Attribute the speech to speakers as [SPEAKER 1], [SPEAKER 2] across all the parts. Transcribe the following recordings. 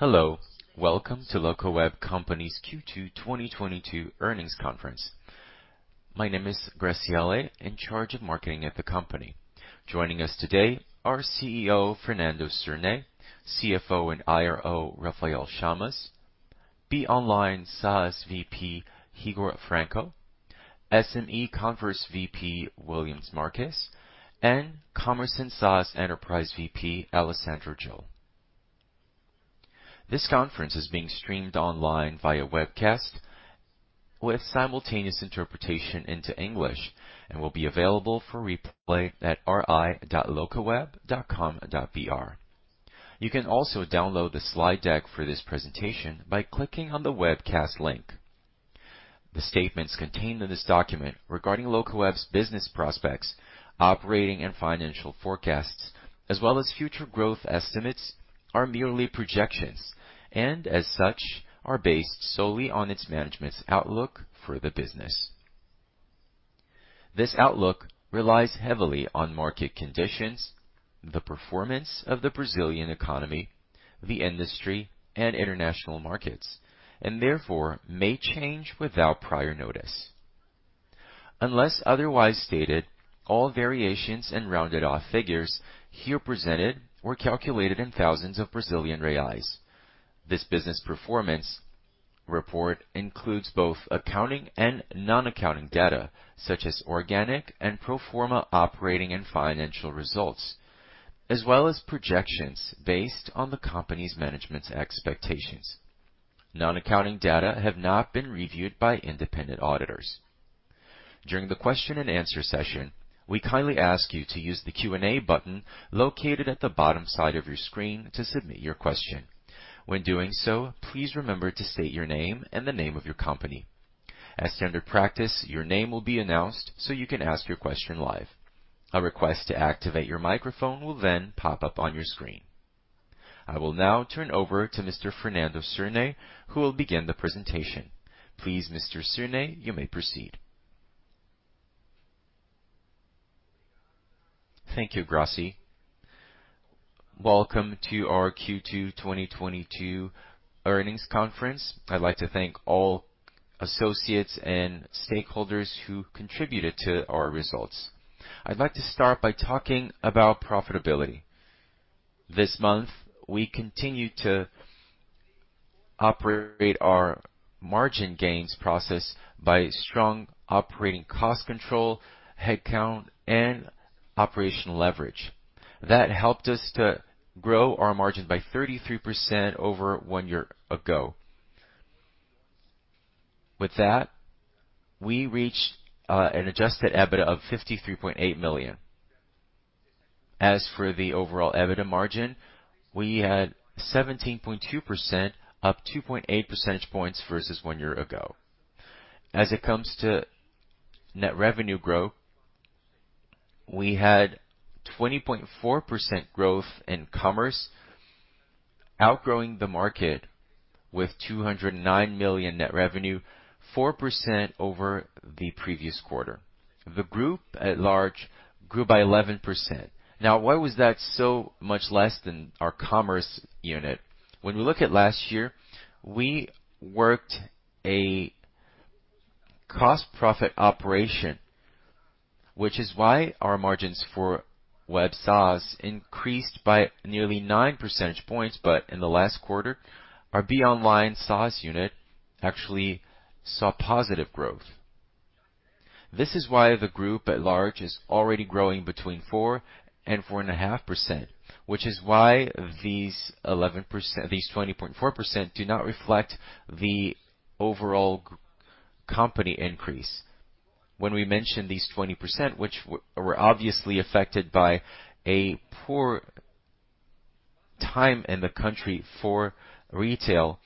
[SPEAKER 1] Hello, welcome toLocaweb Company’s Q2 2022 earnings conference. My name is Gracielle, in charge of marketing at the Company. Joining us today are CEO, Fernando Cirne, CFO and IRO, Rafael Chamas, BeOnline and SaaS VP, Higor Franco, Commerce SMB VP, Willians Marques, and Commerce and SaaS Enterprise VP, Alessandro Gil. This conference is being streamed online via webcast with simultaneous interpretation into English, and will be available for replay at ri.locaweb.com.br. You can also download the slide deck for this presentation by clicking on the webcast link. The statements contained in this document regarding Locaweb's business prospects, operating and financial forecasts, as well as future growth estimates, are merely projections, and as such, are based solely on its management's outlook for the business. This outlook relies heavily on market conditions, the performance of the Brazilian economy, the industry, and international markets, and therefore may change without prior notice. Unless otherwise stated, all variations and rounded-off figures here presented were calculated in thousands of Brazilian reais. This business performance report includes both accounting and non-accounting data, such as organic and pro forma operating and financial results, as well as projections based on the Company's management's expectations. Non-accounting data have not been reviewed by independent auditors. During the Q&A session, we kindly ask you to use the Q&A button located at the bottom side of your screen to submit your question. When doing so, please remember to state your name and the name of your Company. As standard practice, your name will be announced, so you can ask your question live. A request to activate your microphone will then pop up on your screen. I will now turn over to Mr. Fernando Cirne, who will begin the presentation. Please, Mr. Cirne, you may proceed.
[SPEAKER 2] Thank you, Gracielle. Welcome to our Q2 2022 earnings conference. I'd like to thank all associates and stakeholders who contributed to our results. I'd like to start by talking about profitability. This month, we continued to operate our margin gains process by strong operating cost control, head count, and operational leverage. That helped us to grow our margin by 33% over one year ago. With that, we reached an adjusted EBITDA ofR$53.8 million. As for the overall EBITDA margin, we had 17.2%, up 2.8 percentage points versus one year ago. As it comes to net revenue growth, we had 20.4% growth in commerce, outgrowing the market with R$209 million net revenue, 4% over the previous quarter. The group at large grew by 11%. Now, why was that so much less than our commerce unit? When we look at last year, we worked a cost-profit operation, which is why our margins for BeOnline / SaaS increased by nearly 9 percentage points. In the last quarter, our BeOnline / SaaS unit actually saw positive growth. This is why the group at large is already growing between 4% and 4.5%, which is why these 11%-- these 20.4% do not reflect the overall Company increase. When we mention these 20%, which were obviously affected by a poor time in the country for retail,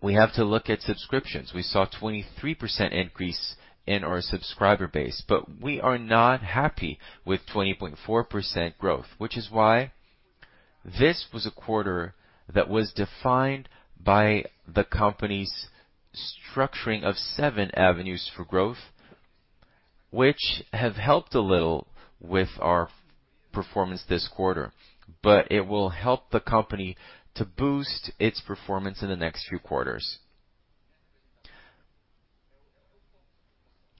[SPEAKER 2] we have to look at subscriptions. We saw 23% increase in our subscriber base, but we are not happy with 20.4% growth, which is why this was a quarter that was defined by the Company's structuring of seven avenues for growth, which have helped a little with our performance this quarter, but it will help the Company to boost its performance in the next few quarters.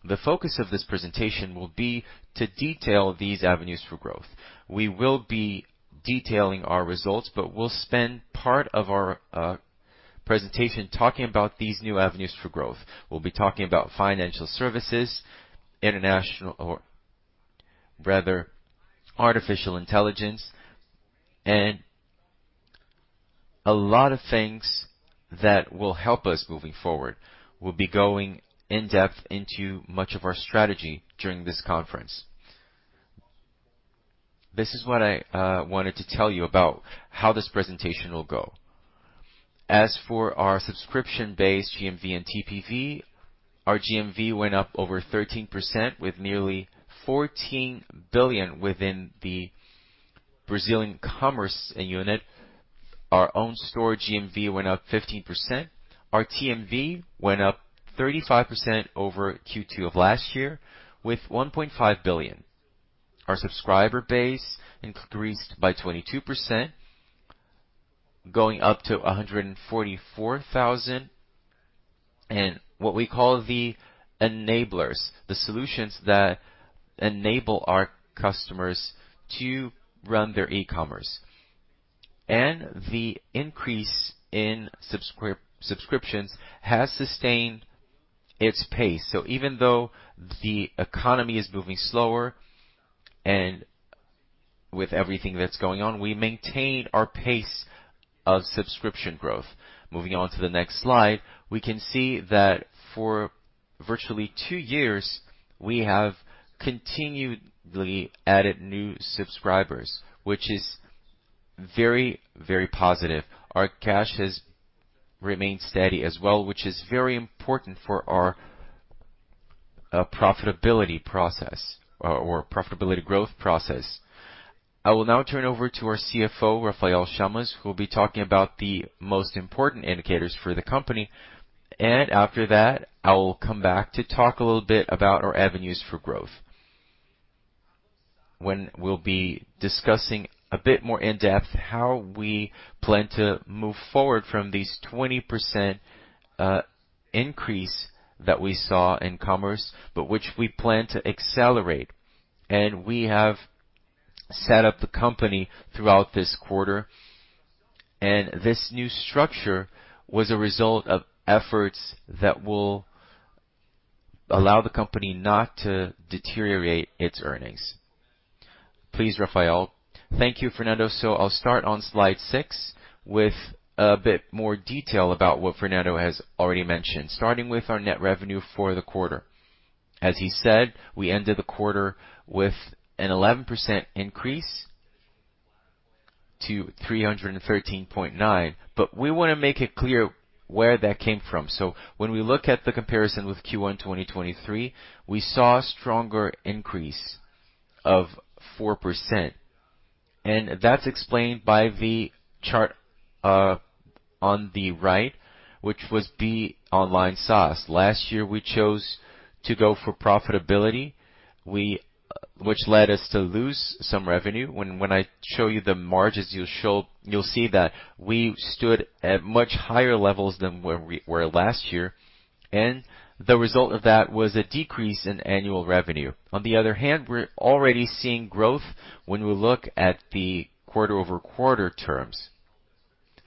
[SPEAKER 2] The focus of this presentation will be to detail these avenues for growth. We will be detailing our results, but we'll spend part of our presentation talking about these new avenues for growth. We'll be talking about financial services, international, or rather, artificial intelligence, and a lot of things that will help us moving forward. We'll be going in-depth into much of our strategy during this conference. This is what I wanted to tell you about how this presentation will go. As for our subscription-based GMV and TPV, our GMV went up over 13%, with nearly R$14 billion within the Brazilian commerce unit. Our own store GMV went up 15%. Our TPV went up 35% over Q2 of last year, with R$1.5 billion. Our subscriber base increased by 22%, going up to 144,000, and what we call the enablers, the solutions that enable our customers to run their e-commerce. The increase in subscriptions has sustained its pace. Even though the economy is moving slower and with everything that's going on, we maintain our pace of subscription growth. Moving on to the next slide, we can see that for virtually two years, we have continually added new subscribers, which is very, very positive. Our cash has remained steady as well, which is very important for our profitability process or, or profitability growth process. I will now turn over to our CFO, Rafael Chamas, who will be talking about the most important indicators for the Company, and after that, I will come back to talk a little bit about our avenues for growth. When we'll be discussing a bit more in depth how we plan to move forward from these 20% increase that we saw in commerce, but which we plan to accelerate. We have set up the Company throughout this quarter, and this new structure was a result of efforts that will allow the Company not to deteriorate its earnings. Please, Rafael.
[SPEAKER 3] Thank you, Fernando. So I'll start on slide 6 with a bit more detail about what Fernando has already mentioned, starting with our net revenue for the quarter. As he said, we ended the quarter with an 11% increase to R$313.9 million, but we want to make it clear where that came from. When we look at the comparison with Q1 2023, we saw a stronger increase of 4%, and that's explained by the chart on the right, which was the online SaaS. Last year, we chose to go for profitability, which led us to lose some revenue. When I show you the margins, you'll see that we stood at much higher levels than where we were last year, and the result of that was a decrease in annual revenue. On the other hand, we're already seeing growth when we look at the quarter-over-quarter terms.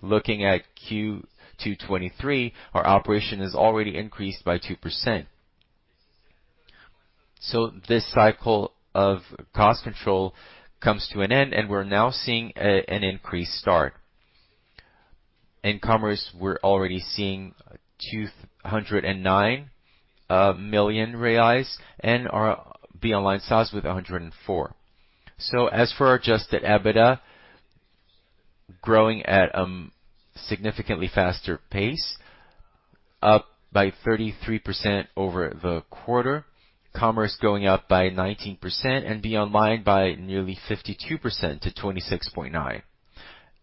[SPEAKER 3] Looking at Q2 2023, our operation has already increased by 2%. This cycle of cost control comes to an end, and we're now seeing an increased start. In commerce, we're already seeing R$209 million and our BeOnline / SaaS with R$104 million. As for our adjusted EBITDA, growing at a significantly faster pace, up by 33% over the quarter, commerce going up by 19% and BeOnline by nearly 52% to R$26.9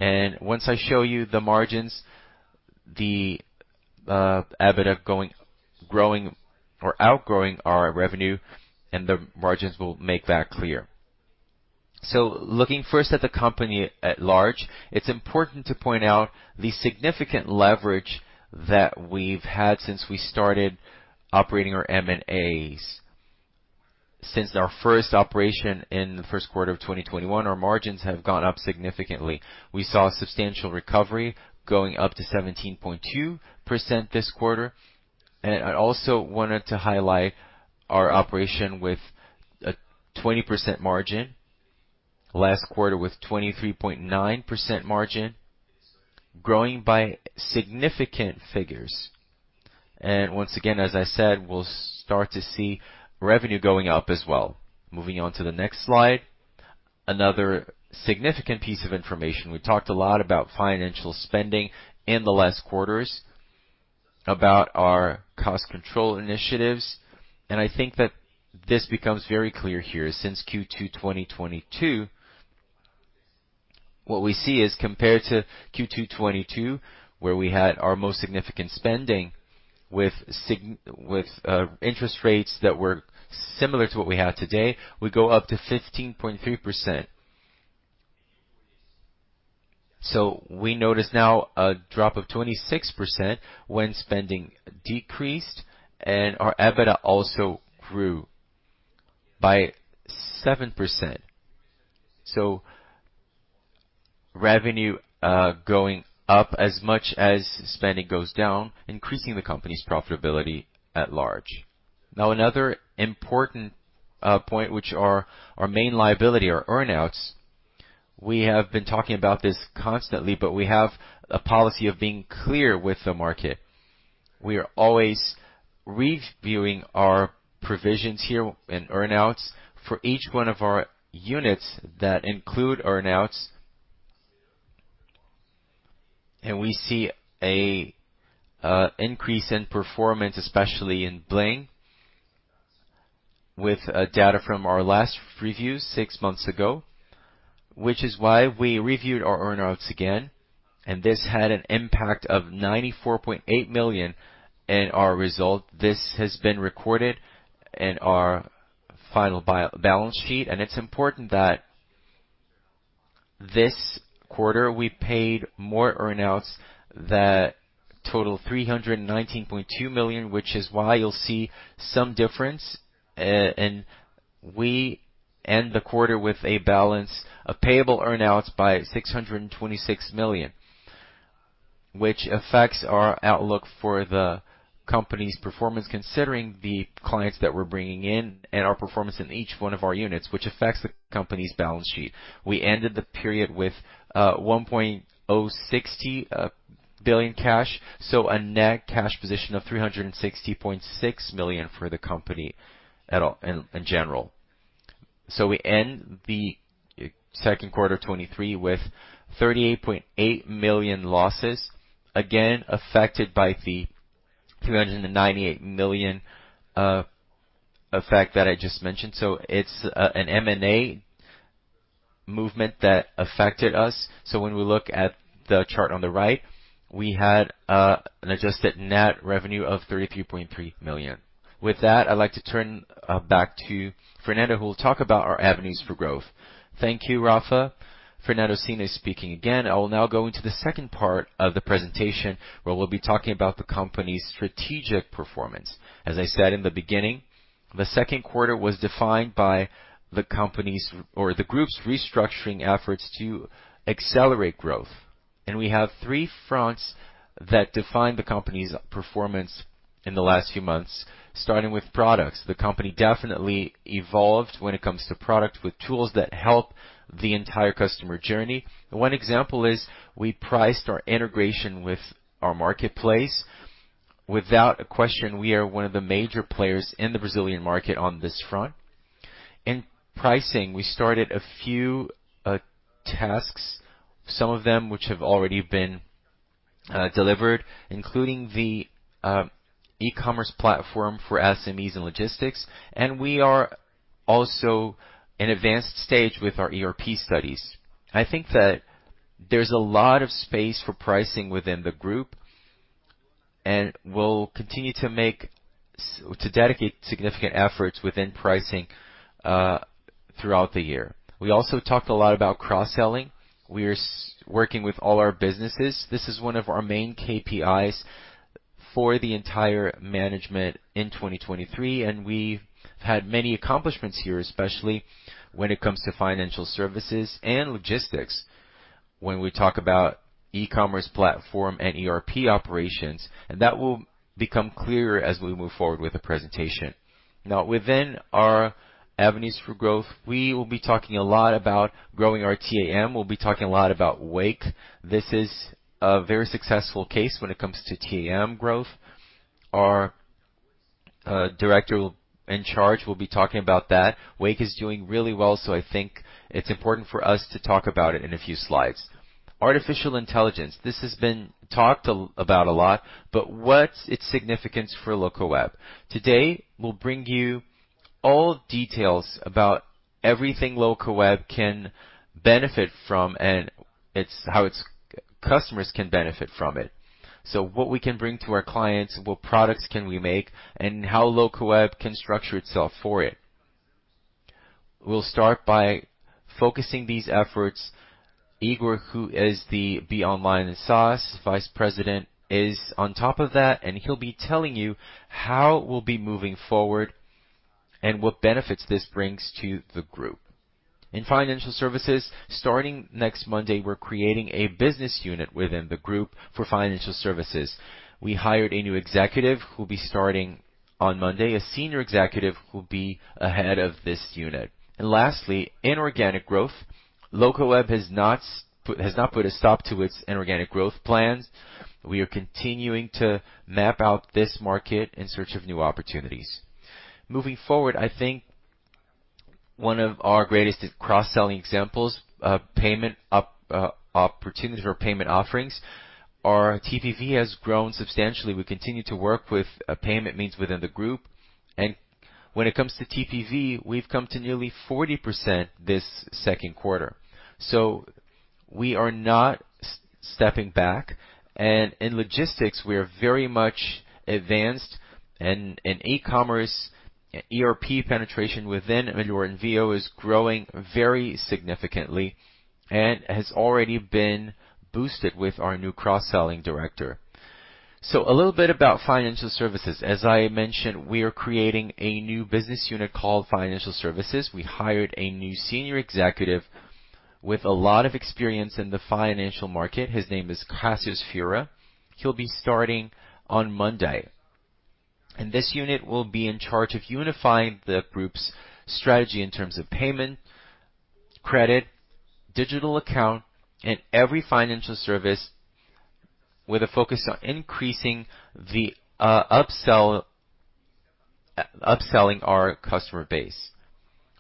[SPEAKER 3] million. Once I show you the margins, the EBITDA going, growing or outgrowing our revenue, and the margins will make that clear. Looking first at the Company at large, it's important to point out the significant leverage that we've had since we started operating our M&A. Since our first operation in the first quarter of 2021, our margins have gone up significantly. We saw a substantial recovery going up to 17.2% this quarter. I also wanted to highlight our operation with a 20% margin, last quarter with 23.9% margin, growing by significant figures. Once again, as I said, we'll start to see revenue going up as well. Moving on to the next slide. Another significant piece of information. We talked a lot about financial spending in the last quarters, about our cost control initiatives, and I think that this becomes very clear here. Since Q2 2022, what we see is compared to Q2 2022, where we had our most significant spending with interest rates that were similar to what we have today, we go up to 15.3%. We notice now a drop of 26% when spending decreased and our EBITDA also grew by 7%. Revenue going up as much as spending goes down, increasing the Company's profitability at large. Another important point, which are our main liability, our earn-outs. We have been talking about this constantly, but we have a policy of being clear with the market. We are always reviewing our provisions here and earn-outs for each one of our units that include earn-outs. We see a increase in performance, especially in Bling, with data from our last review six months ago. Which is why we reviewed our earn-outs again, and this had an impact of R$94.8 million in our result. This has been recorded in our final balance sheet. It's important that this quarter, we paid more earn-outs that total R$319.2 million, which is why you'll see some difference. We end the quarter with a balance of payable earnouts by R$626 million, which affects our outlook for the Company's performance, considering the clients that we're bringing in and our performance in each one of our units, which affects the Company's balance sheet. We ended the period with R$1.060 billion cash, a net cash position of R$360.6 million for the Company in general. We end the second quarter of 2023 with R$38.8 million losses, again, affected by the R$298 million effect that I just mentioned. It's an M&A movement that affected us. When we look at the chart on the right, we had an adjusted net revenue of R$33.3 million. With that, I'd like to turn back to Fernando, who will talk about our avenues for growth.
[SPEAKER 2] Thank you, Rafael.Fernando speaking again. I will now go into the second part of the presentation, where we'll be talking about the Company's strategic performance. As I said in the beginning, the second quarter was defined by the Company's or the group's restructuring efforts to accelerate growth, and we have three fronts that define the Company's performance in the last few months, starting with products. The Company definitely evolved when it comes to product with tools that help the entire customer journey. One example is we priced our integration with our marketplace. Without a question, we are one of the major players in the Brazilian market on this front. In pricing, we started a few tasks, some of them which have already been delivered, including the e-commerce platform for SMEs and logistics, and we are also in advanced stage with our ERP studies. I think that there's a lot of space for pricing within the group, and we'll continue to dedicate significant efforts within pricing throughout the year. We also talked a lot about cross-selling. We are working with all our businesses. This is one of our main KPIs for the entire management in 2023, and we've had many accomplishments here, especially when it comes to financial services and logistics, when we talk about e-commerce platform and ERP operations, and that will become clearer as we move forward with the presentation. Within our avenues for growth, we will be talking a lot about growing our TAM. We'll be talking a lot about Wake. This is a very successful case when it comes to TAM growth. Our director in charge will be talking about that. Wake is doing really well, so I think it's important for us to talk about it in a few slides. Artificial intelligence. This has been talked about a lot, but what's its significance for Locaweb? Today, we'll bring you all details about everything Locaweb can benefit from, how its customers can benefit from it. What we can bring to our clients, what products can we make, and how Locaweb can structure itself for it. We'll start by focusing these efforts. Higor, who is the BeOnline / SaaS Vice President, is on top of that, and he'll be telling you how we'll be moving forward and what benefits this brings to the group. In financial services, starting next Monday, we're creating a business unit within the group for financial services. We hired a new executive, who'll be starting on Monday, a senior executive, who'll be ahead of this unit. Lastly, inorganic growth. Locaweb has not put a stop to its inorganic growth plans. We are continuing to map out this market in search of new opportunities. Moving forward, I think one of our greatest cross-selling examples of payment opportunities or payment offerings, our TPV has grown substantially. We continue to work with payment means within the group, and when it comes to TPV, we've come to nearly 40% this second quarter. We are not stepping back, and in logistics, we are very much advanced and E-commerce, ERP penetration within and Vindi is growing very significantly and has already been boosted with our new cross-selling director. A little bit about financial services. As I mentioned, we are creating a new business unit called financial services. We hired a new senior executive with a lot of experience in the financial market. His name is Cassius Schymura. He'll be starting on Monday, and this unit will be in charge of unifying the group's strategy in terms of payment, credit, digital account, and every financial service with a focus on increasing the upsell, upselling our customer base.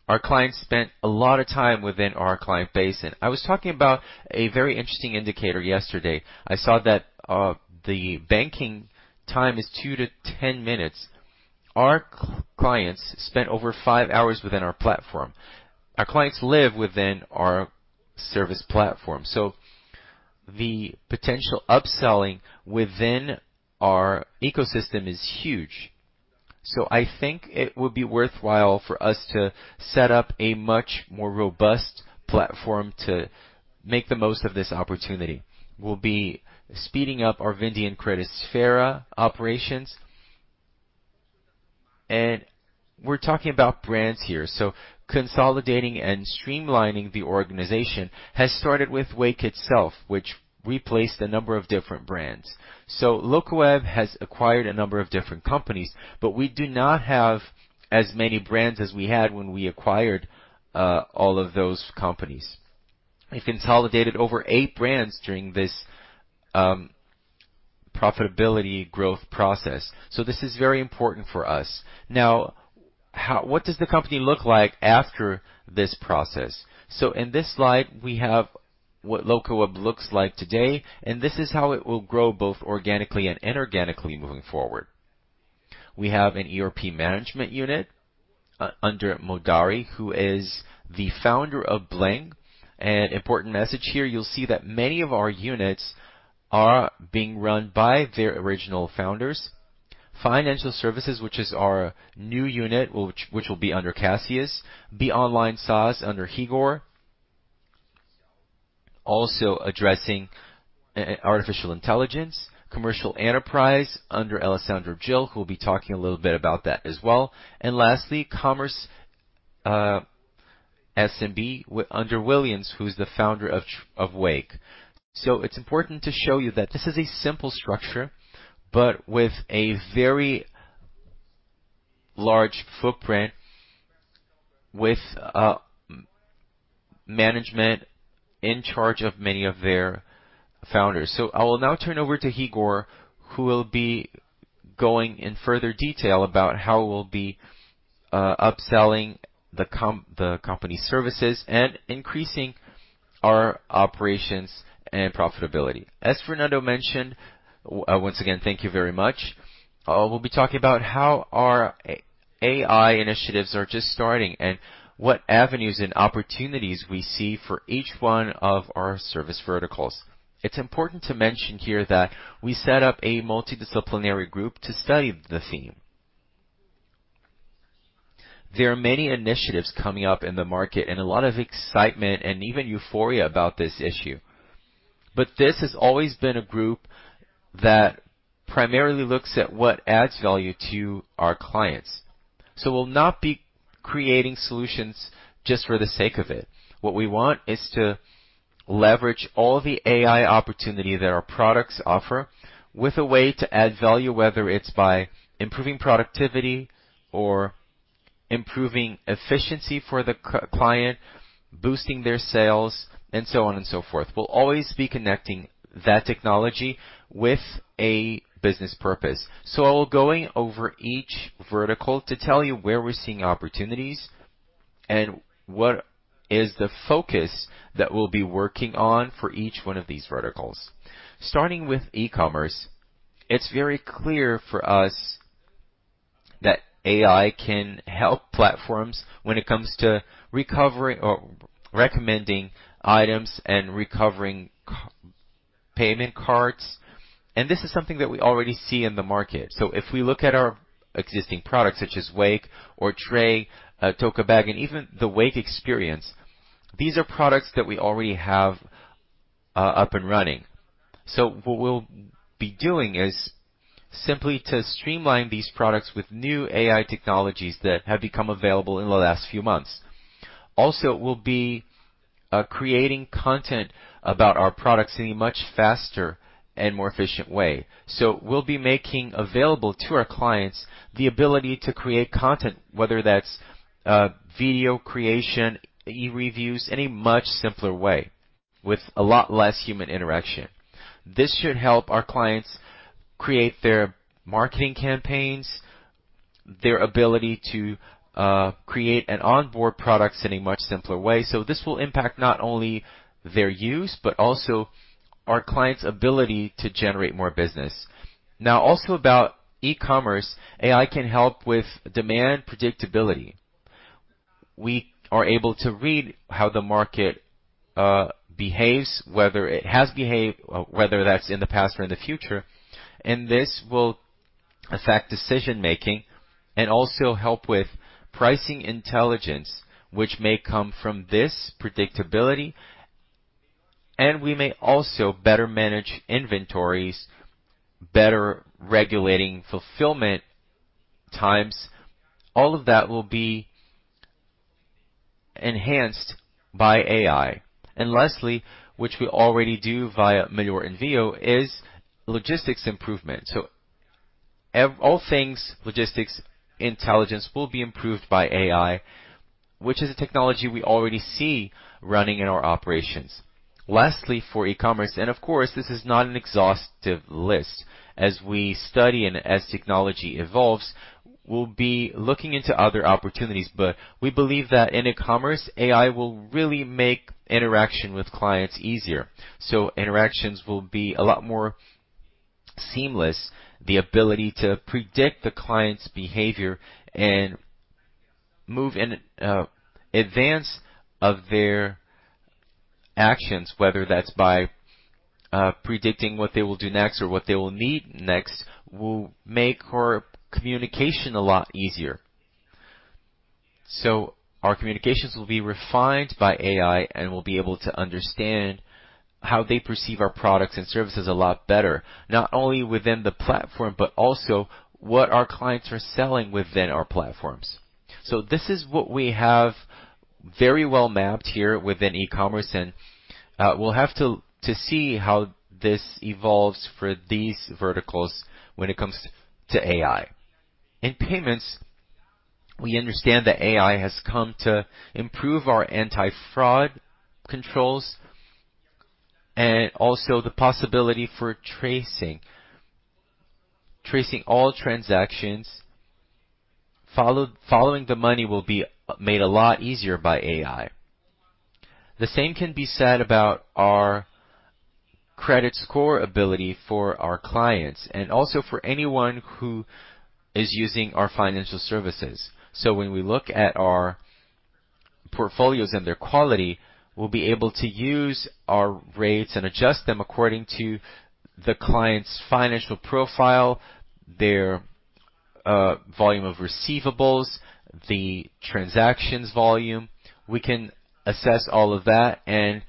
[SPEAKER 2] Our clients spent a lot of time within our client base, and I was talking about a very interesting indicator yesterday. I saw that the banking time is two to 10 minutes. Our clients spent over five hours within our platform. Our clients live within our service platform, the potential upselling within our ecosystem is huge. I think it would be worthwhile for us to set up a much more robust platform to make the most of this opportunity. We'll be speeding up our Vindi and Credisfera operations. We're talking about brands here, consolidating and streamlining the organization has started with Wake itself, which replaced a number of different brands. Locaweb has acquired a number of different companies, but we do not have as many brands as we had when we acquired all of those companies. We consolidated over eight brands during this profitability growth process, this is very important for us. What does the Company look like after this process? In this slide, we have what Locaweb looks like today, and this is how it will grow, both organically and inorganically, moving forward. We have an ERP management unit, under Nodari, who is the founder of Bling. An important message here, you'll see that many of our units are being run by their original founders. Financial Services, which is our new unit, which will be under Cassius. BeOnline / SaaS under Higor. Also addressing artificial intelligence, Commercial Enterprise under Alessandro, who will be talking a little bit about that as well. Lastly, Commerce SMB, under Williams, who's the founder of Wake. It's important to show you that this is a simple structure, but with a very large footprint, with management in charge of many of their founders. I will now turn over to Higor, who will be going in further detail about how we'll be upselling the Company's services and increasing our operations and profitability.
[SPEAKER 4] As Fernando mentioned. Once again, thank you very much. We'll be talking about how our AI initiatives are just starting, and what avenues and opportunities we see for each one of our service verticals. It's important to mention here that we set up a multidisciplinary group to study the theme. There are many initiatives coming up in the market and a lot of excitement and even euphoria about this issue. This has always been a group that primarily looks at what adds value to our clients. We'll not be creating solutions just for the sake of it. What we want is to leverage all the AI opportunity that our products offer, with a way to add value, whether it's by improving productivity or improving efficiency for the client, boosting their sales, and so on and so forth. We'll always be connecting that technology with a business purpose. I'll going over each vertical to tell you where we're seeing opportunities and what is the focus that we'll be working on for each one of these verticals. Starting with e-commerce, it's very clear for us that AI can help platforms when it comes to recovering or recommending items and recovering payment cards. This is something that we already see in the market. If we look at our existing products, such as Wake or Tray, Bagy, and even the Wake Experience, these are products that we already have up and running. What we'll be doing is simply to streamline these products with new AI technologies that have become available in the last few months. We'll be creating content about our products in a much faster and more efficient way. We'll be making available to our clients the ability to create content, whether that's video creation, e-reviews, in a much simpler way, with a lot less human interaction. This should help our clients create their marketing campaigns, their ability to create and onboard products in a much simpler way. This will impact not only their use, but also our clients' ability to generate more business. Also about e-commerce, AI can help with demand predictability. We are able to read how the market behaves, whether it has behaved, whether that's in the past or in the future, and this will affect decision-making and also help with pricing intelligence, which may come from this predictability, and we may also better manage inventories, better regulating fulfillment times. All of that will be enhanced by AI. Lastly, which we already do via Melhor Envio, is logistics improvement. All things logistics intelligence will be improved by AI, which is a technology we already see running in our operations. Lastly, for e-commerce, of course, this is not an exhaustive list. As we study and as technology evolves, we'll be looking into other opportunities, but we believe that in e-commerce, AI will really make interaction with clients easier. Interactions will be a lot more-... seamless, the ability to predict the client's behavior and move in, advance of their actions, whether that's by, predicting what they will do next or what they will need next, will make our communication a lot easier. Our communications will be refined by AI, and we'll be able to understand how they perceive our products and services a lot better, not only within the platform, but also what our clients are selling within our platforms. This is what we have very well mapped here within e-commerce, and, we'll have to, to see how this evolves for these verticals when it comes to AI. In payments, we understand that AI has come to improve our anti-fraud controls and also the possibility for tracing. Tracing all transactions, following the money will be made a lot easier by AI. The same can be said about our credit score ability for our clients and also for anyone who is using our financial services. When we look at our portfolios and their quality, we'll be able to use our rates and adjust them according to the client's financial profile, their, volume of receivables, the transactions volume. We can assess all of that and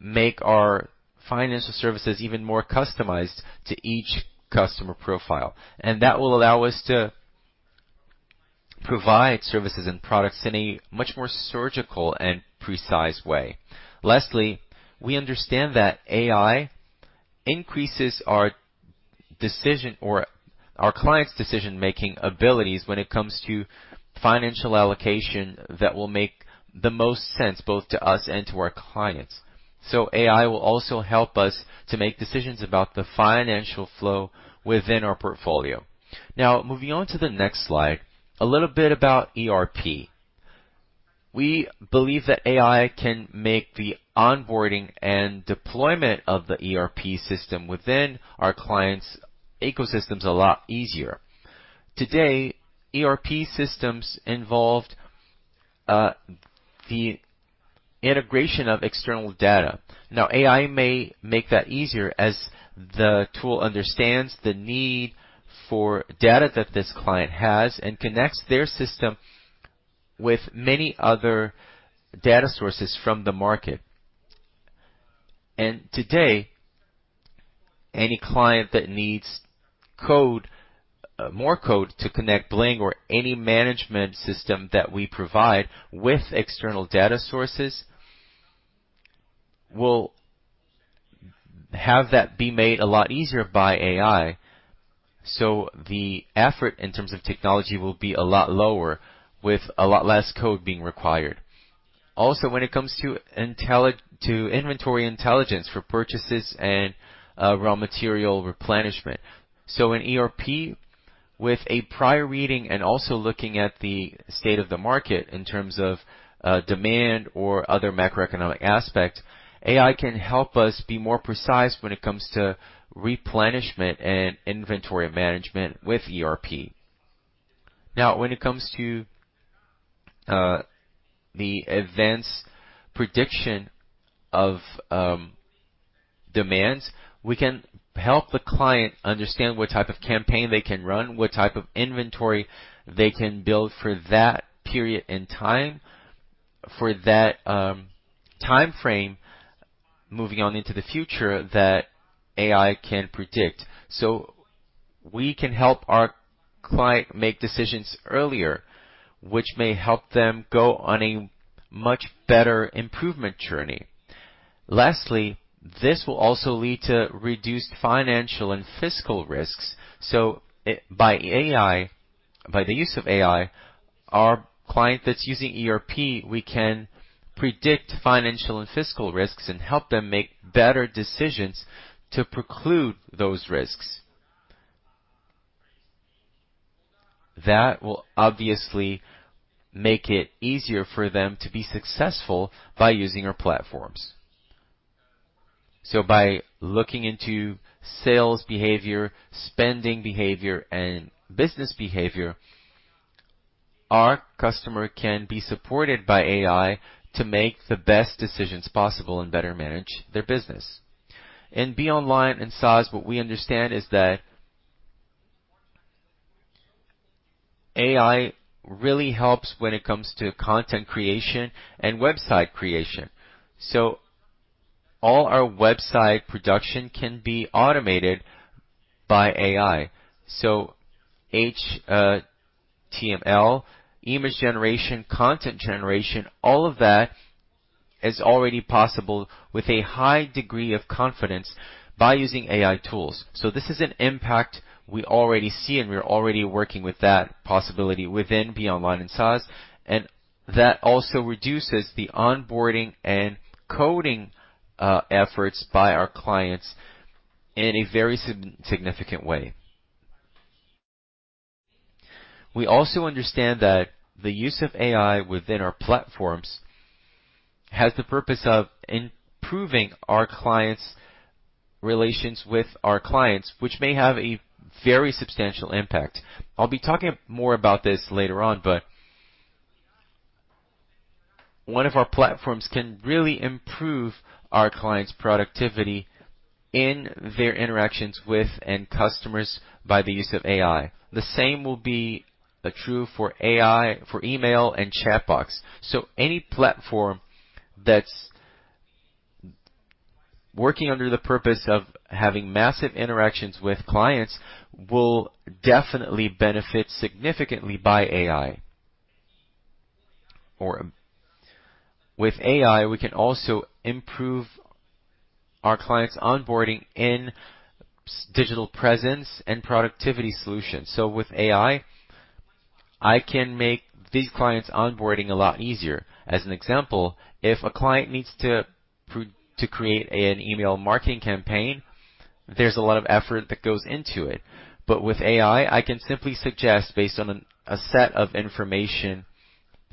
[SPEAKER 4] make our financial services even more customized to each customer profile, and that will allow us to provide services and products in a much more surgical and precise way. Lastly, we understand that AI increases our decision or our clients' decision-making abilities when it comes to financial allocation that will make the most sense, both to us and to our clients. AI will also help us to make decisions about the financial flow within our portfolio. Now, moving on to the next slide. A little bit about ERP. We believe that AI can make the onboarding and deployment of the ERP system within our clients' ecosystems a lot easier. Today, ERP systems involved the integration of external data. Now, AI may make that easier as the tool understands the need for data that this client has and connects their system with many other data sources from the market. Today, any client that needs code, more code to connect Bling or any management system that we provide with external data sources, will have that be made a lot easier by AI. The effort in terms of technology will be a lot lower, with a lot less code being required. Also, when it comes to inventory intelligence for purchases and, raw material replenishment. In ERP, with a prior reading and also looking at the state of the market in terms of demand or other macroeconomic aspects, AI can help us be more precise when it comes to replenishment and inventory management with ERP. Now, when it comes to the advanced prediction of demand, we can help the client understand what type of campaign they can run, what type of inventory they can build for that period in time, for that time frame, moving on into the future, that AI can predict. We can help our client make decisions earlier, which may help them go on a much better improvement journey. Lastly, this will also lead to reduced financial and fiscal risks. By AI, by the use of AI, our client that's using ERP, we can predict financial and fiscal risks and help them make better decisions to preclude those risks. That will obviously make it easier for them to be successful by using our platforms. By looking into sales behavior, spending behavior, and business behavior, our customer can be supported by AI to make the best decisions possible and better manage their business. In BeOnline / SaaS, what we understand is that AI really helps when it comes to content creation and website creation. All our website production can be automated by AI. HTML, image generation, content generation, all of that is already possible with a high degree of confidence by using AI tools. This is an impact we already see, and we are already working with that possibility within BeOnline / SaaS, and that also reduces the onboarding and coding efforts by our clients in a very significant way. We also understand that the use of AI within our platforms has the purpose of improving relations with our clients, which may have a very substantial impact. I'll be talking more about this later on, but one of our platforms can really improve our clients' productivity in their interactions with end customers by the use of AI. The same will be true for AI, for email and chat box. Any platform that's working under the purpose of having massive interactions with clients will definitely benefit significantly by AI. With AI, we can also improve our clients' onboarding in digital presence and productivity solutions. With AI, I can make these clients' onboarding a lot easier. As an example, if a client needs to create an email marketing campaign, there's a lot of effort that goes into it. With AI, I can simply suggest, based on a set of information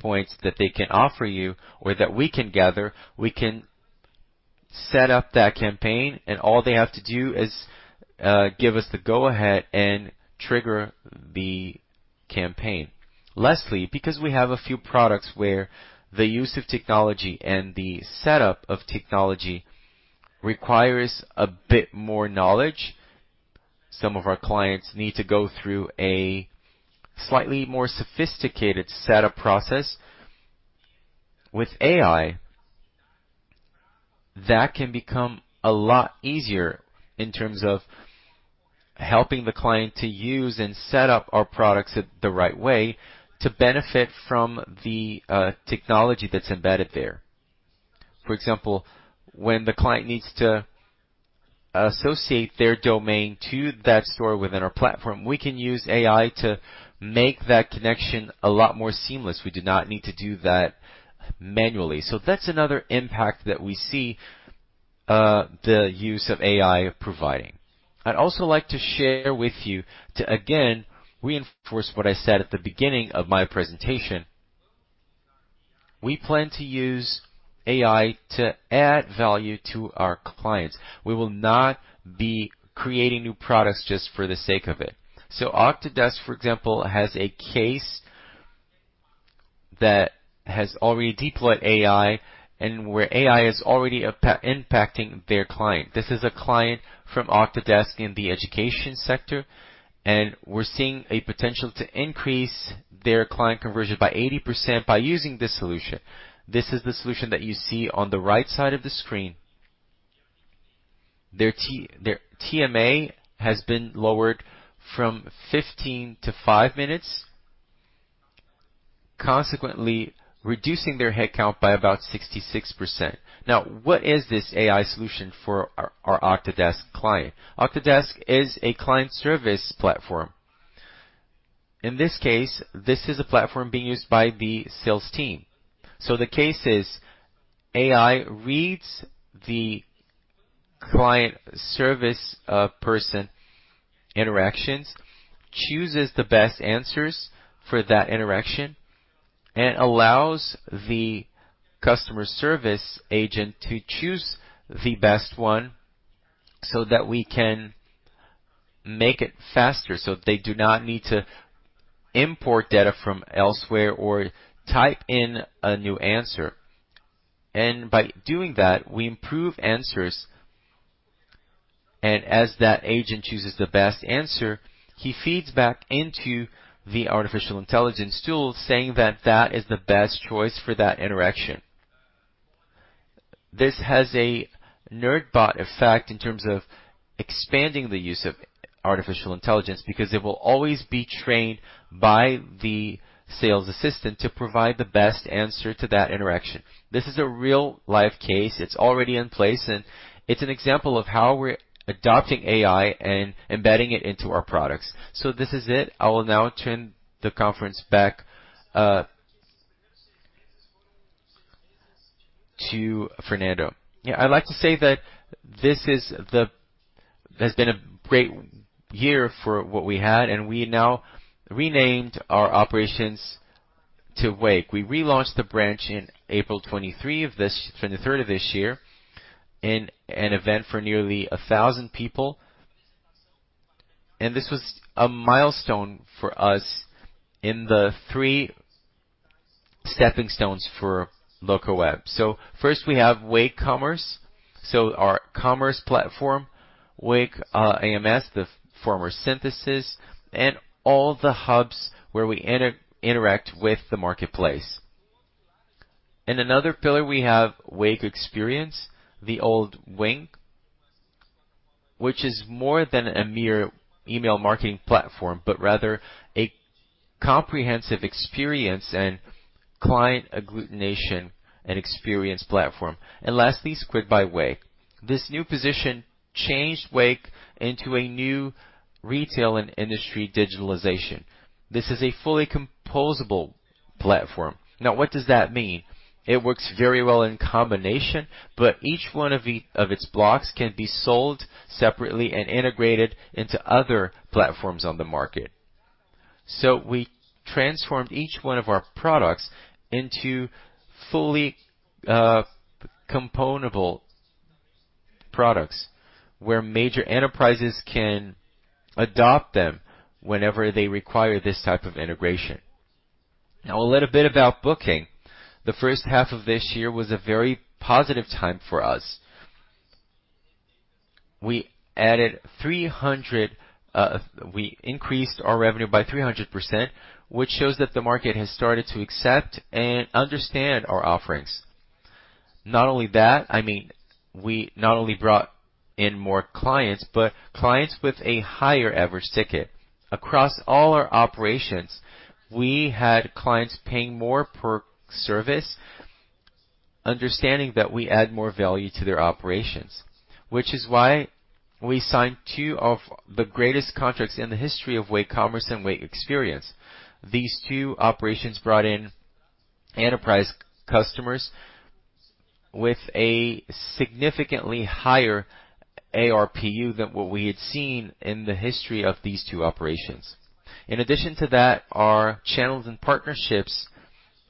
[SPEAKER 4] points that they can offer you or that we can gather, we can set up that campaign, and all they have to do is, give us the go-ahead and trigger the campaign. Lastly, because we have a few products where the use of technology and the setup of technology requires a bit more knowledge, some of our clients need to go through a slightly more sophisticated setup process. With AI, that can become a lot easier in terms of helping the client to use and set up our products at the right way to benefit from the technology that's embedded there. For example, when the client needs to associate their domain to that store within our platform, we can use AI to make that connection a lot more seamless. We do not need to do that manually. That's another impact that we see the use of AI providing. I'd also like to share with you, to again, reinforce what I said at the beginning of my presentation, we plan to use AI to add value to our clients. We will not be creating new products just for the sake of it. Octadesk, for example, has a case that has already deployed AI and where AI is already impacting their client. This is a client from Octadesk in the education sector, and we're seeing a potential to increase their client conversion by 80% by using this solution. This is the solution that you see on the right side of the screen. Their TMA has been lowered from 15 to five minutes, consequently reducing their head count by about 66%. What is this AI solution for our Octadesk client? Octadesk is a client service platform. In this case, this is a platform being used by the sales team. The case is, AI reads the client service person interactions, chooses the best answers for that interaction, and allows the customer service agent to choose the best one so that we can make it faster, so they do not need to import data from elsewhere or type in a new answer. By doing that, we improve answers, and as that agent chooses the best answer, he feeds back into the artificial intelligence tool, saying that that is the best choice for that interaction. This has a network effect in terms of expanding the use of artificial intelligence, because it will always be trained by the sales assistant to provide the best answer to that interaction. This is a real-life case. It's already in place, and it's an example of how we're adopting AI and embedding it into our products. This is it. I will now turn the conference back to Alessandro.
[SPEAKER 5] I'd like to say that this has been a great year for what we had, and we now renamed our operations to Wake. We relaunched the branch in April 23 of this year, in an event for nearly 1,000 people. This was a milestone for us in the three stepping stones for Locaweb. First, we have Wake Commerce, our commerce platform, Wake OMS, the former Síntese, and all the hubs where we interact with the marketplace. In another pillar, we have Wake Experience, the old All In, which is more than a mere email marketing platform, but rather a comprehensive experience and client agglutination and experience platform. Lastly, Squid by Wake. This new position changed Wake into a new retail and industry digitalization. This is a fully composable platform. What does that mean? It works very well in combination, each one of the, of its blocks can be sold separately and integrated into other platforms on the market. We transformed each one of our products into fully composable products, where major enterprises can adopt them whenever they require this type of integration. Now, a little bit about booking. The first half of this year was a very positive time for us. We increased our revenue by 300%, which shows that the market has started to accept and understand our offerings. Not only that, I mean, we not only brought in more clients, but clients with a higher average ticket. Across all our operations, we had clients paying more per service, understanding that we add more value to their operations. Which is why we signed two of the greatest contracts in the history of Wake Commerce and Wake Experience. These two operations brought in enterprise customers with a significantly higher ARPU than what we had seen in the history of these two operations. In addition to that, our channels and partnerships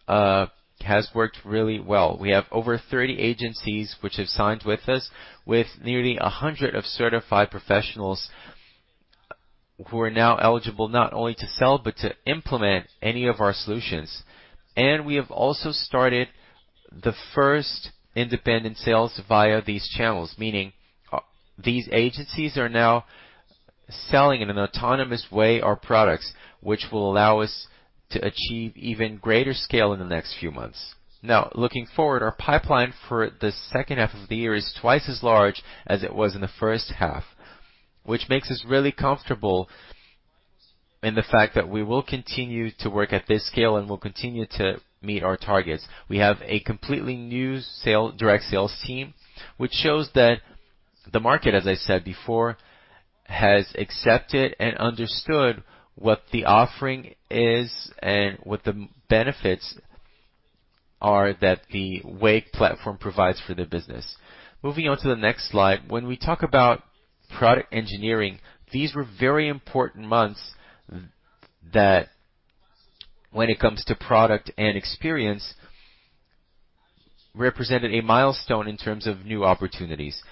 [SPEAKER 5] has worked really well. We have over 30 agencies which have signed with us, with nearly 100 of certified professionals, who are now eligible not only to sell, but to implement any of our solutions. We have also started the first independent sales via these channels, meaning, these agencies are now selling in an autonomous way our products, which will allow us to achieve even greater scale in the next few months. Now, looking forward, our pipeline for the second half of the year is twice as large as it was in the first half, which makes us really comfortable in the fact that we will continue to work at this scale, and we'll continue to meet our targets. We have a completely new direct sales team, which shows that the market, as I said before, has accepted and understood what the offering is and what the benefits are that the Wake platform provides for their business. Moving on to the next slide. When we talk about product engineering, these were very important months, that when it comes to product and experience, represented a milestone in terms of new opportunities.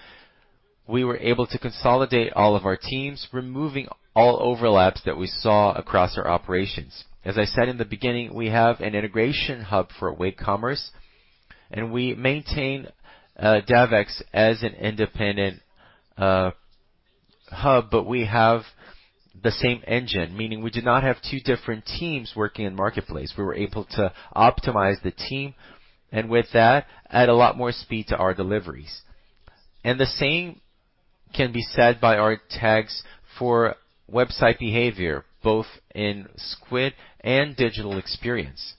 [SPEAKER 5] We were able to consolidate all of our teams, removing all overlaps that we saw across our operations. As I said in the beginning, we have an integration hub for Wake Commerce, and we maintain DevEx as an independent hub, but we have the same engine, meaning we do not have two different teams working in marketplace. We were able to optimize the team, and with that, add a lot more speed to our deliveries. The same can be said by our tags for website behavior, both in Squid and Wake Experience.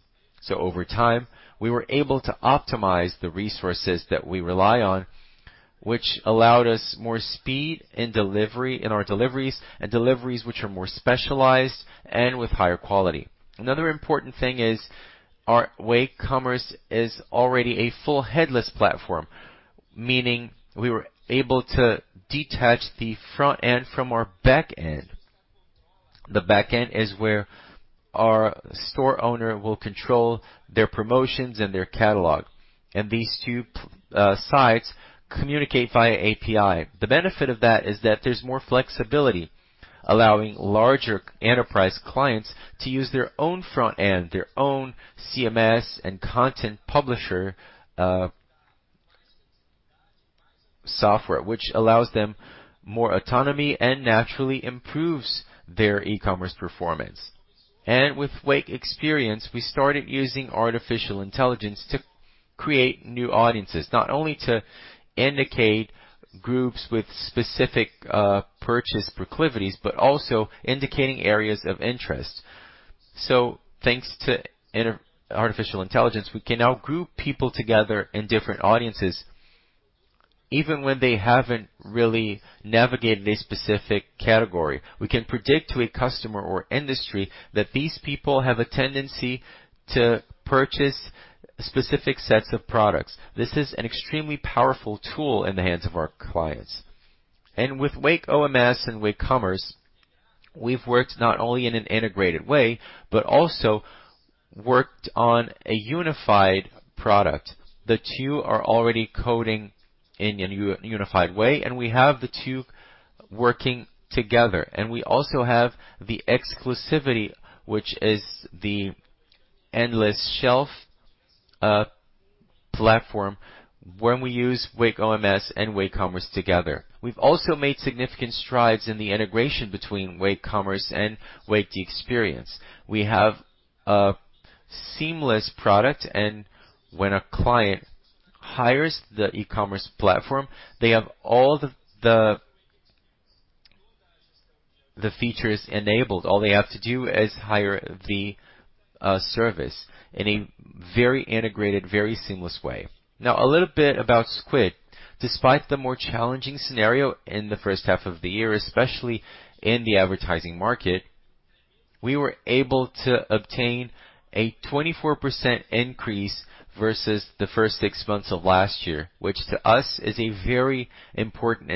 [SPEAKER 5] Over time, we were able to optimize the resources that we rely on, which allowed us more speed and delivery in our deliveries, and deliveries which are more specialized and with higher quality. Another important thing is our Wake Commerce is already a full headless platform, meaning we were able to detach the front end from our back end. The back end is where our store owner will control their promotions and their catalog, and these two sites communicate via API. The benefit of that is that there's more flexibility, allowing larger enterprise clients to use their own front end, their own CMS and content publisher software, which allows them more autonomy and naturally improves their e-commerce performance. With Wake Experience, we started using artificial intelligence to create new audiences, not only to indicate groups with specific purchase proclivities, but also indicating areas of interest. Thanks to artificial intelligence, we can now group people together in different audiences, even when they haven't really navigated a specific category. We can predict to a customer or industry that these people have a tendency to purchase specific sets of products. This is an extremely powerful tool in the hands of our clients. With Wake OMS and Wake Commerce, we've worked not only in an integrated way, but also worked on a unified product. The two are already coding in a unified way, and we have the two working together. We also have the exclusivity, which is the endless shelf platform when we use Wake OMS and Wake Commerce together. We've also made significant strides in the integration between Wake Commerce and Wake Experience. We have a seamless product. When a client hires the e-commerce platform, they have all the features enabled. All they have to do is hire the service. Very integrated, very seamless way. Now, a little bit about Squid. Despite the more challenging scenario in the first half of the year, especially in the advertising market, we were able to obtain a 24% increase versus the first six months of last year, which to us, is a very important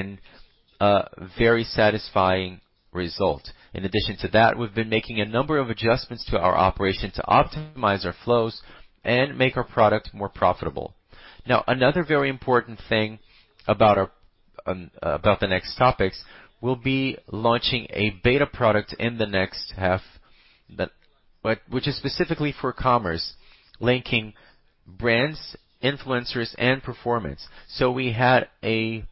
[SPEAKER 5] and very satisfying result. In addition to that, we've been making a number of adjustments to our operation to optimize our flows and make our product more profitable. Another very important thing about our, about the next topics, we'll be launching a beta product in the next half, which is specifically for commerce, linking brands, influencers, and performance. We had a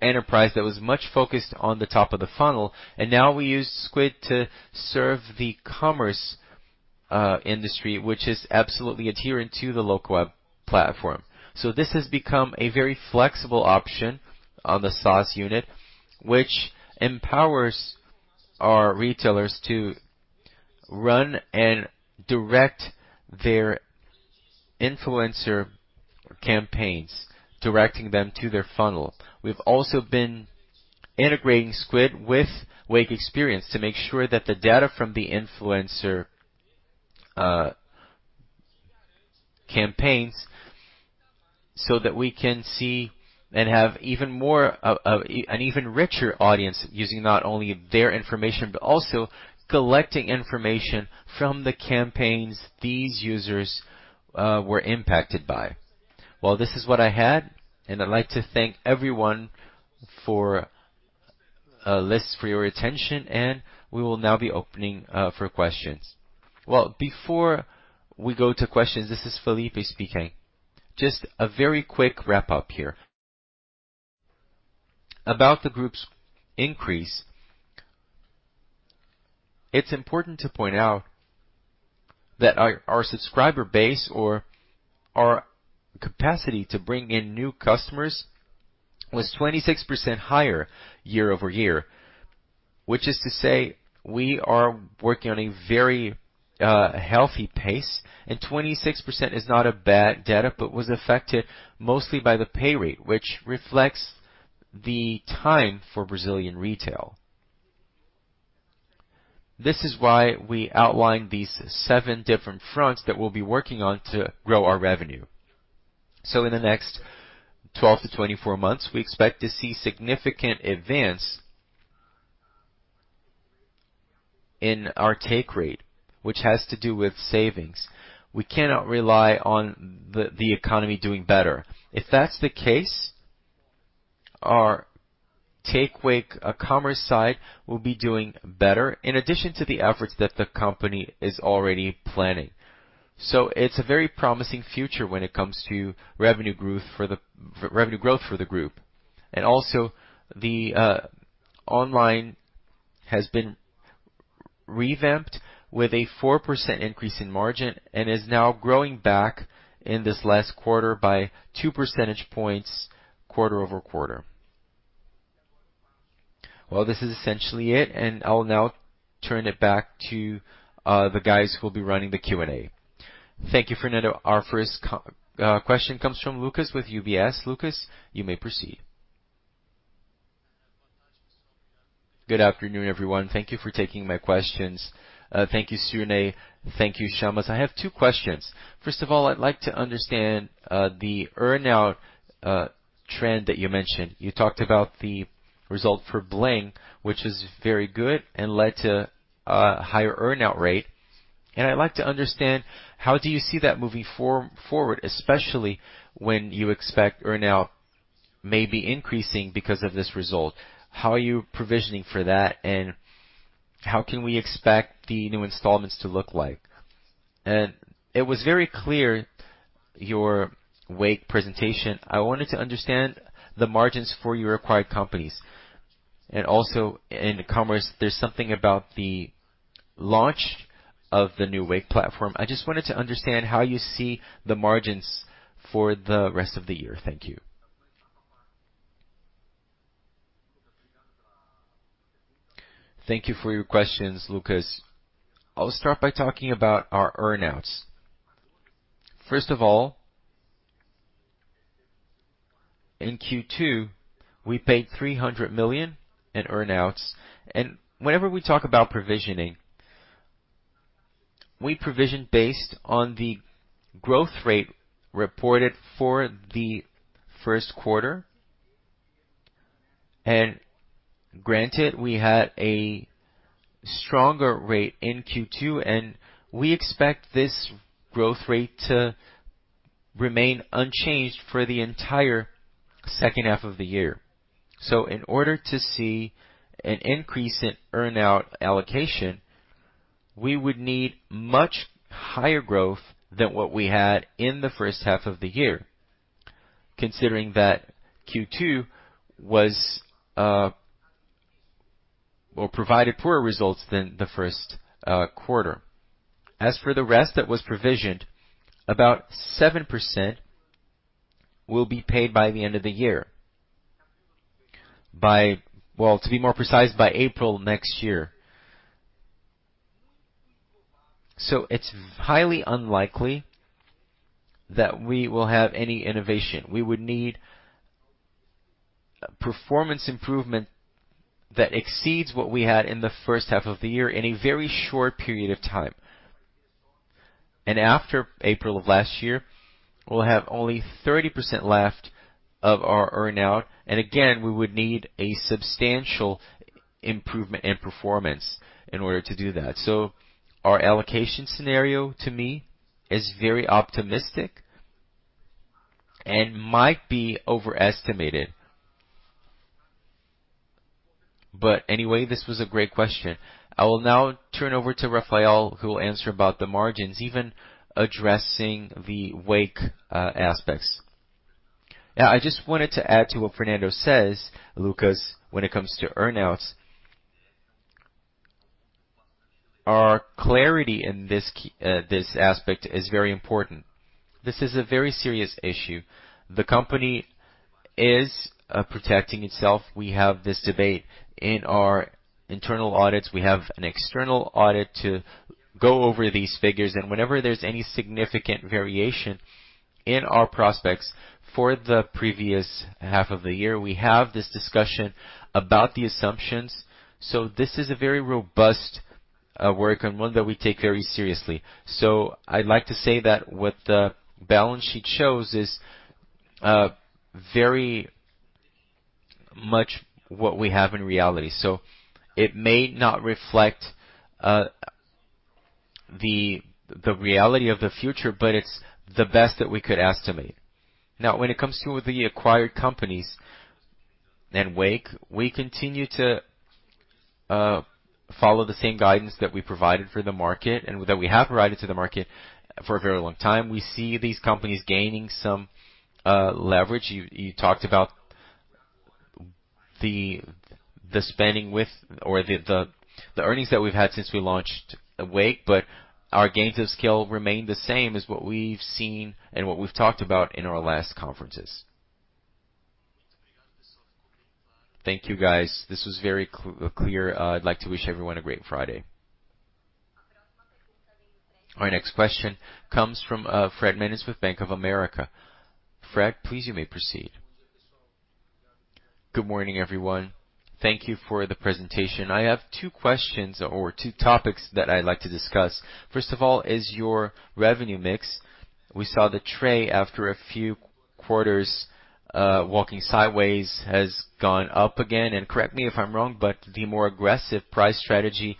[SPEAKER 5] enterprise that was much focused on the top of the funnel, and now we use Squid to serve the commerce industry, which is absolutely adherent to the Locaweb platform. This has become a very flexible option on the SaaS unit, which empowers our retailers to run and direct their influencer campaigns, directing them to their funnel. We've also been integrating Squid with Wake Experience to make sure that the data from the influencer campaigns, so that we can see and have an even richer audience, using not only their information, but also collecting information from the campaigns these users were impacted by. Well, this is what I had, and I'd like to thank everyone for lists for your attention, and we will now be opening for questions.
[SPEAKER 2] Well, before we go to questions, this is Fernando speaking. Just a very quick wrap-up here. About the group's increase, it's important to point out that our, our subscriber base or our capacity to bring in new customers was 26% higher year-over-year, which is to say, we are working on a very healthy pace, and 26% is not a bad data, but was affected mostly by the take rate, which reflects the time for Brazilian retail. This is why we outlined these seven different fronts that we'll be working on to grow our revenue. In the next 12 to 24 months, we expect to see significant advance. in our take rate, which has to do with savings. We cannot rely on the, the economy doing better. If that's the case, our Wake Commerce side will be doing better, in addition to the efforts that the Company is already planning. It's a very promising future when it comes to revenue growth for the revenue growth for the group. Also, the Online has been revamped with a 4% increase in margin and is now growing back in this last quarter by 2 percentage points, quarter-over-quarter. This is essentially it, and I'll now turn it back to the guys who will be running the Q&A.
[SPEAKER 1] Thank you, Fernando. Our first question comes from Lucas with UBS. Lucas, you may proceed.
[SPEAKER 6] Good afternoon, everyone. Thank you for taking my questions. Thank you, Cirne. Thank you, Rafael. I have two questions. First of all, I'd like to understand the earn-out trend that you mentioned. You talked about the result for Bling, which is very good and led to a higher earn-out rate. I'd like to understand, how do you see that moving for-forward, especially when you expect earn-out may be increasing because of this result? How are you provisioning for that, and how can we expect the new installments to look like? It was very clear, your Wake presentation, I wanted to understand the margins for your acquired companies. Also in Commerce, there's something about the launch of the new Wake platform. I just wanted to understand how you see the margins for the rest of the year. Thank you.
[SPEAKER 2] Thank you for your questions, Lucas. I'll start by talking about our earn-outs. First of all, in Q2, we paid R$319.2 million in earn-outs, and whenever we talk about provisioning, we provision based on the growth rate reported for the first quarter. Granted, we had a stronger rate in Q2, and we expect this growth rate to remain unchanged for the entire second half of the year. In order to see an increase in earn-out allocation, we would need much higher growth than what we had in the first half of the year, considering that Q2 was, well, provided poorer results than the first quarter. As for the rest that was provisioned, about 7% will be paid by the end of the year, by, well, to be more precise, by April next year. It's highly unlikely that we will have any innovation. We would need performance improvement that exceeds what we had in the first half of the year in a very short period of time. After April of last year, we'll have only 30% left of our earn-out, and again, we would need a substantial improvement in performance in order to do that. Our allocation scenario, to me, is very optimistic and might be overestimated. Anyway, this was a great question. I will now turn over to Rafael, who will answer about the margins, even addressing the Wake aspects.
[SPEAKER 3] Yeah, I just wanted to add to what Fernando says, Lucas, when it comes to earn-outs, our clarity in this aspect is very important. This is a very serious issue. The Company is protecting itself. We have this debate in our internal audits. We have an external audit to go over these figures, and whenever there's any significant variation in our prospects for the previous half of the year, we have this discussion about the assumptions. This is a very robust work and one that we take very seriously. I'd like to say that what the balance sheet shows is very much what we have in reality. It may not reflect the reality of the future, but it's the best that we could estimate. Now, when it comes to the acquired companies and Wake, we continue to follow the same guidance that we provided for the market and that we have provided to the market for a very long time. We see these companies gaining some leverage. You, you talked about the spending with or the earnings that we've had since we launched Wake, but our gains of scale remain the same as what we've seen and what we've talked about in our last conferences.
[SPEAKER 6] Thank you, guys. This was very clear. I'd like to wish everyone a great Friday.
[SPEAKER 1] Our next question comes from Fred Mendes with Bank of America. Fred, please, you may proceed.
[SPEAKER 7] Good morning, everyone. Thank you for the presentation. I have two questions or two topics that I'd like to discuss. First of all, is your revenue mix. We saw the Tray after a few quarters, walking sideways, has gone up again. Correct me if I'm wrong, but the more aggressive price strategy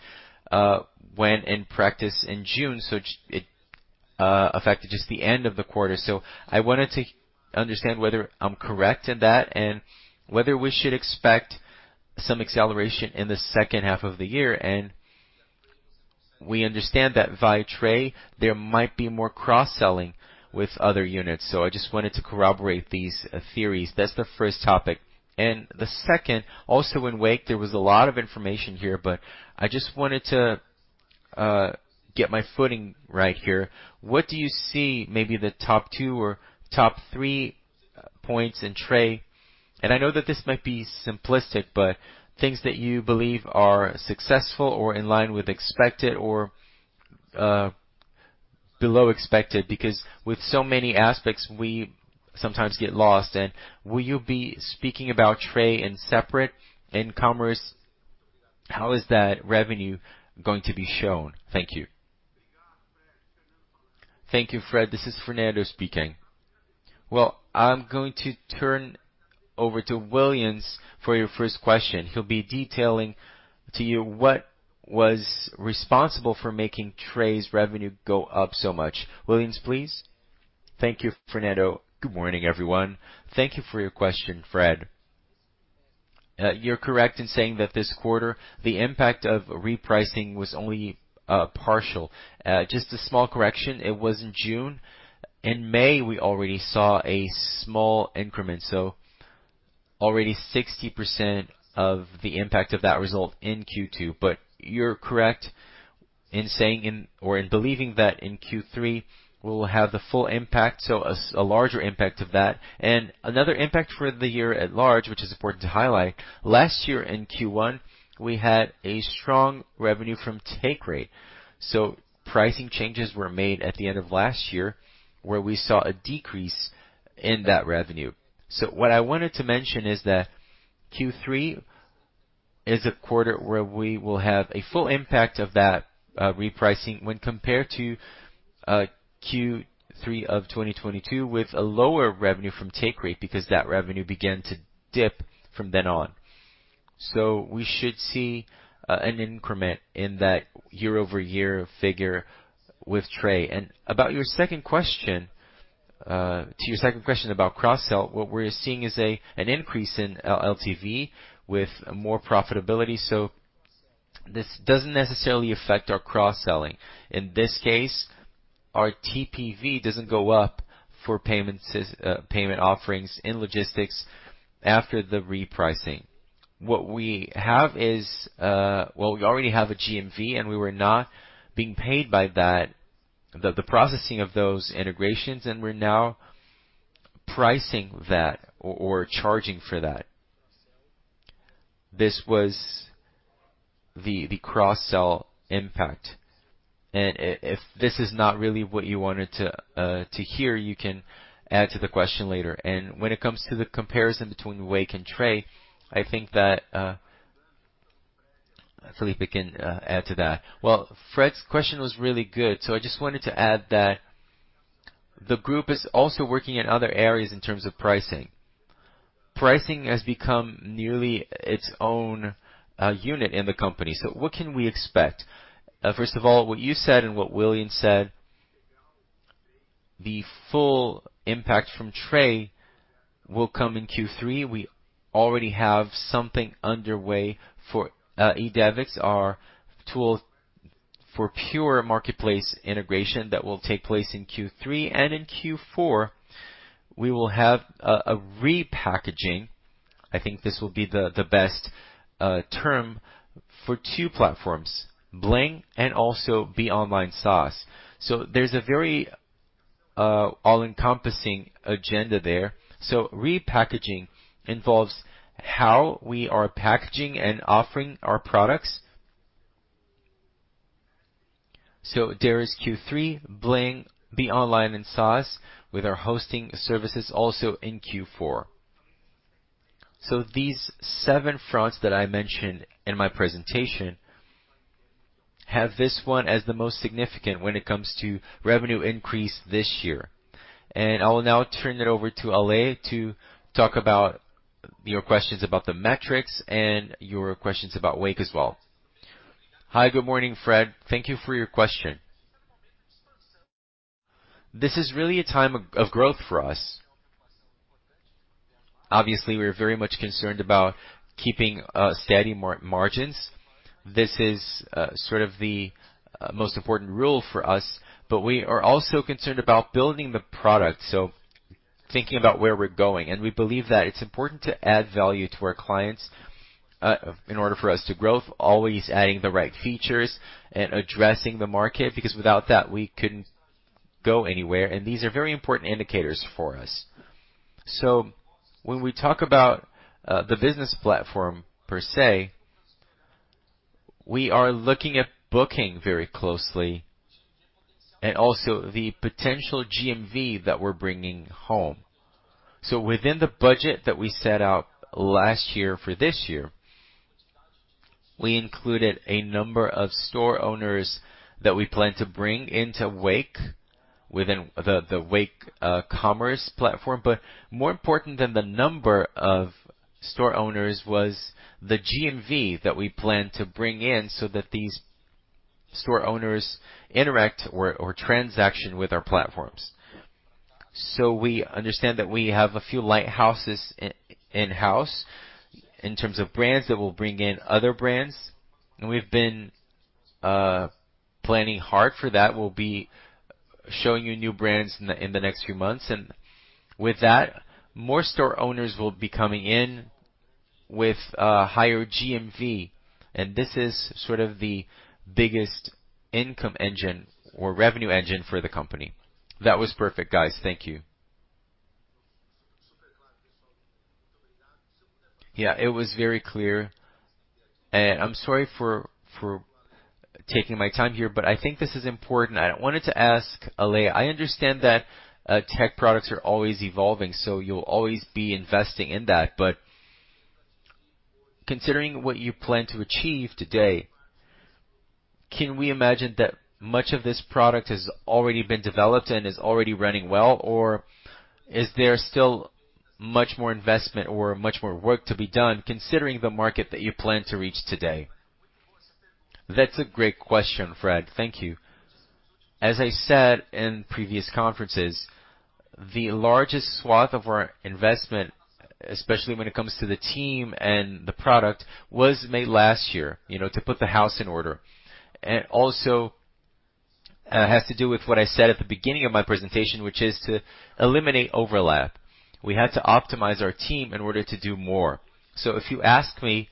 [SPEAKER 7] went in practice in June, so it affected just the end of the quarter. I wanted to understand whether I'm correct in that and whether we should expect some acceleration in the second half of the year. We understand that via Tray, there might be more cross-selling with other units. I just wanted to corroborate these theories. That's the first topic. The second, also in Wake, there was a lot of information here, but I just wanted to get my footing right here. What do you see maybe the top two or top three points in Tray? I know that this might be simplistic, but things that you believe are successful or in line with expected or below expected, because with so many aspects, we sometimes get lost. Will you be speaking about Tray in separate e-commerce? How is that revenue going to be shown? Thank you.
[SPEAKER 2] Thank you, Fred. This is Fernando speaking. Well, I'm going to turn over to Willians for your first question. He'll be detailing to you what was responsible for making Tray's revenue go up so much. Willians, please.
[SPEAKER 8] Thank you, Fernando. Good morning, everyone. Thank you for your question, Fred. You're correct in saying that this quarter, the impact of repricing was only partial. Just a small correction. It was in June. In May, we already saw a small increment, so already 60% of the impact of that result in Q2. You're correct in saying in or in believing that in Q3, we will have the full impact, so a larger impact of that. Another impact for the year at large, which is important to highlight, last year in Q1, we had a strong revenue from take rate, so pricing changes were made at the end of last year, where we saw a decrease in that revenue. What I wanted to mention is that Q3 is a quarter where we will have a full impact of that repricing when compared to Q3 of 2022, with a lower revenue from take rate, because that revenue began to dip from then on. We should see an increment in that year-over-year figure with Tray. About your second question, to your second question about cross-sell, what we're seeing is an increase in LTV with more profitability. This doesn't necessarily affect our cross-selling. In this case, our TPV doesn't go up for payment offerings in logistics after the repricing. What we have is... Well, we already have a GMV, and we were not being paid by The processing of those integrations, and we're now pricing that or, or charging for that. This was the, the cross-sell impact. If this is not really what you wanted to hear, you can add to the question later. When it comes to the comparison between Wake and Tray, I think that Fernando can add to that.
[SPEAKER 2] Well, Fred's question was really good, so I just wanted to add that the group is also working in other areas in terms of pricing. Pricing has become nearly its own unit in the Company. What can we expect? First of all, what you said and what Willians said, the full impact from Tray will come in Q3. We already have something underway for Ideris, our tool for pure marketplace integration that will take place in Q3. In Q4, we will have a repackaging. I think this will be the, the best term for two platforms, Bling and also BeOnline / SaaS. There's a very all-encompassing agenda there. Repackaging involves how we are packaging and offering our products. There is Q3, Bling, BeOnline / SaaS, with our hosting services also in Q4. These seven fronts that I mentioned in my presentation, have this one as the most significant when it comes to revenue increase this year. And I will now turn it over to Ale, to talk about your questions about the metrics and your questions about Wake as well.
[SPEAKER 5] Hi, good morning, Fred. Thank you for your question. This is really a time of, of growth for us. Obviously, we're very much concerned about keeping steady margins.
[SPEAKER 2] This is, sort of the, most important rule for us, but we are also concerned about building the product, so thinking about where we're going. And we believe that it's important to add value to our clients, in order for us to growth, always adding the right features and addressing the market, because without that, we couldn't go anywhere, and these are very important indicators for us. When we talk about, the business platform per se, we are looking at booking very closely and also the potential GMV that we're bringing home. Within the budget that we set out last year for this year, we included a number of store owners that we plan to bring into Wake, within the, the Wake, Commerce platform.
[SPEAKER 5] More important than the number of store owners was the GMV that we plan to bring in, so that these store owners interact or transaction with our platforms. We understand that we have a few lighthouses in-house in terms of brands that will bring in other brands, and we've been planning hard for that. We'll be showing you new brands in the next few months, and with that, more store owners will be coming in with higher GMV, and this is sort of the biggest income engine or revenue engine for the Company.
[SPEAKER 7] That was perfect, guys. Thank you. Yeah, it was very clear, and I'm sorry for taking my time here, but I think this is important. I wanted to ask Alessandro, I understand that tech products are always evolving, so you'll always be investing in that. Considering what you plan to achieve today, can we imagine that much of this product has already been developed and is already running well, or is there still much more investment or much more work to be done, considering the market that you plan to reach today?
[SPEAKER 5] That's a great question, Fred. Thank you. As I said in previous conferences, the largest swath of our investment, especially when it comes to the team and the product, was made last year, you know, to put the house in order. Also, it has to do with what I said at the beginning of my presentation, which is to eliminate overlap. We had to optimize our team in order to do more. If you ask me,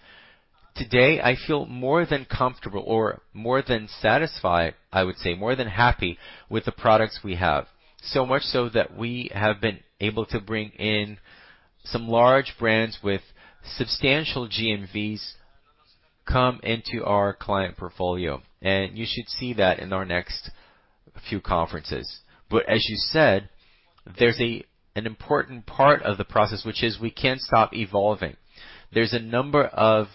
[SPEAKER 5] today, I feel more than comfortable or more than satisfied, I would say, more than happy with the products we have, so much so that we have been able to bring in some large brands with substantial GMV come into our client portfolio, and you should see that in our next few conferences. As you said, there's an important part of the process, which is we can't stop evolving. There's a number of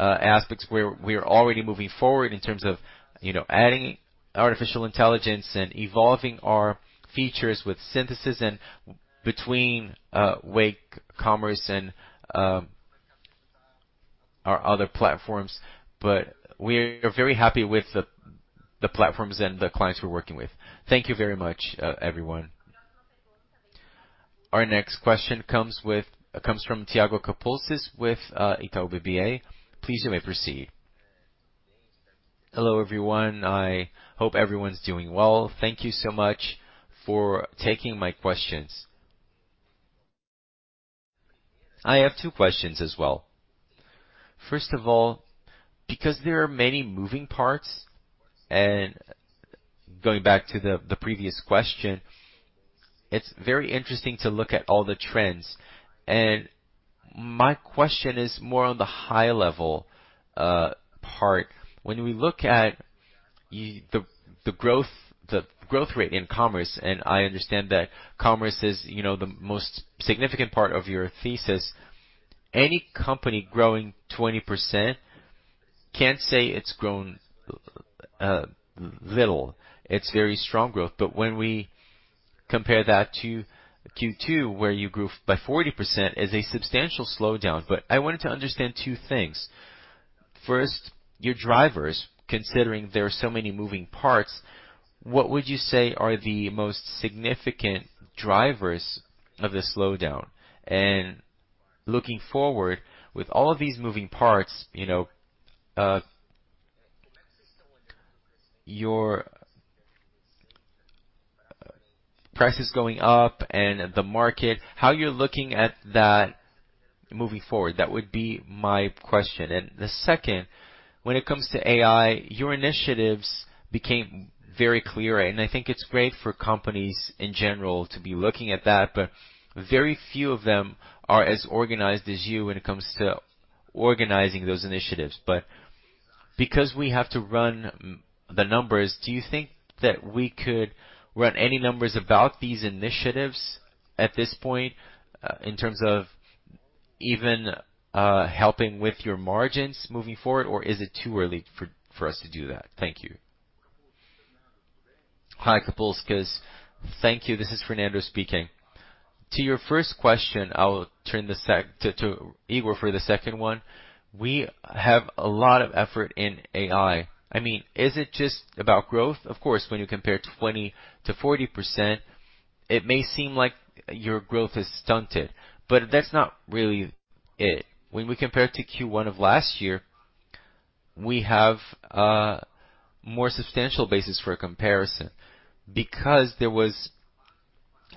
[SPEAKER 5] aspects where we are already moving forward in terms of, you know, adding artificial intelligence and evolving our features with Síntese and between Wake Commerce and our other platforms. We are very happy with the platforms and the clients we're working with.
[SPEAKER 1] Thank you very much, everyone. Our next question comes from Thiago Kapulskis with Itaú BBA. Please, you may proceed.
[SPEAKER 9] Hello, everyone. I hope everyone's doing well. Thank you so much for taking my questions. I have two questions as well. First of all, because there are many moving parts, and going back to the, the previous question, it's very interesting to look at all the trends, and my question is more on the high level part. When we look at y- the, the growth, the growth rate in commerce, and I understand that commerce is, you know, the most significant part of your thesis. Any Company growing 20% can't say it's grown little. It's very strong growth. I wanted to understand two things. First, your drivers, considering there are so many moving parts, what would you say are the most significant drivers of the slowdown? Looking forward, with all of these moving parts, you know, your prices going up and the market, how you're looking at that moving forward? That would be my question. The second, when it comes to AI, your initiatives became very clear, and I think it's great for companies in general to be looking at that, but very few of them are as organized as you when it comes to organizing those initiatives. Because we have to run the numbers, do you think that we could run any numbers about these initiatives at this point, in terms of even helping with your margins moving forward, or is it too early for us to do that? Thank you.
[SPEAKER 2] Hi, Thiago. Thank you. This is Fernando. To your first question, I will turn this back to Higor for the second one. We have a lot of effort in AI. I mean, is it just about growth? Of course, when you compare 20% to 40%, it may seem like your growth is stunted, but that's not really it. When we compare it to Q1 of last year, we have a more substantial basis for a comparison. There was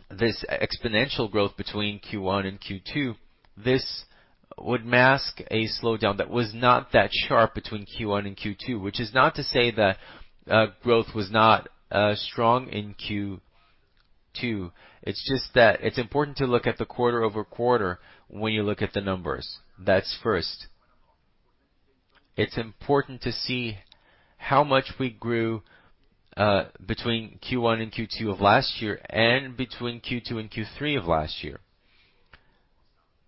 [SPEAKER 2] this exponential growth between Q1 and Q2, this would mask a slowdown that was not that sharp between Q1 and Q2, which is not to say that growth was not strong in Q2. It's just that it's important to look at the quarter-over-quarter when you look at the numbers. That's first. It's important to see how much we grew between Q1 and Q2 of last year and between Q2 and Q3 of last year.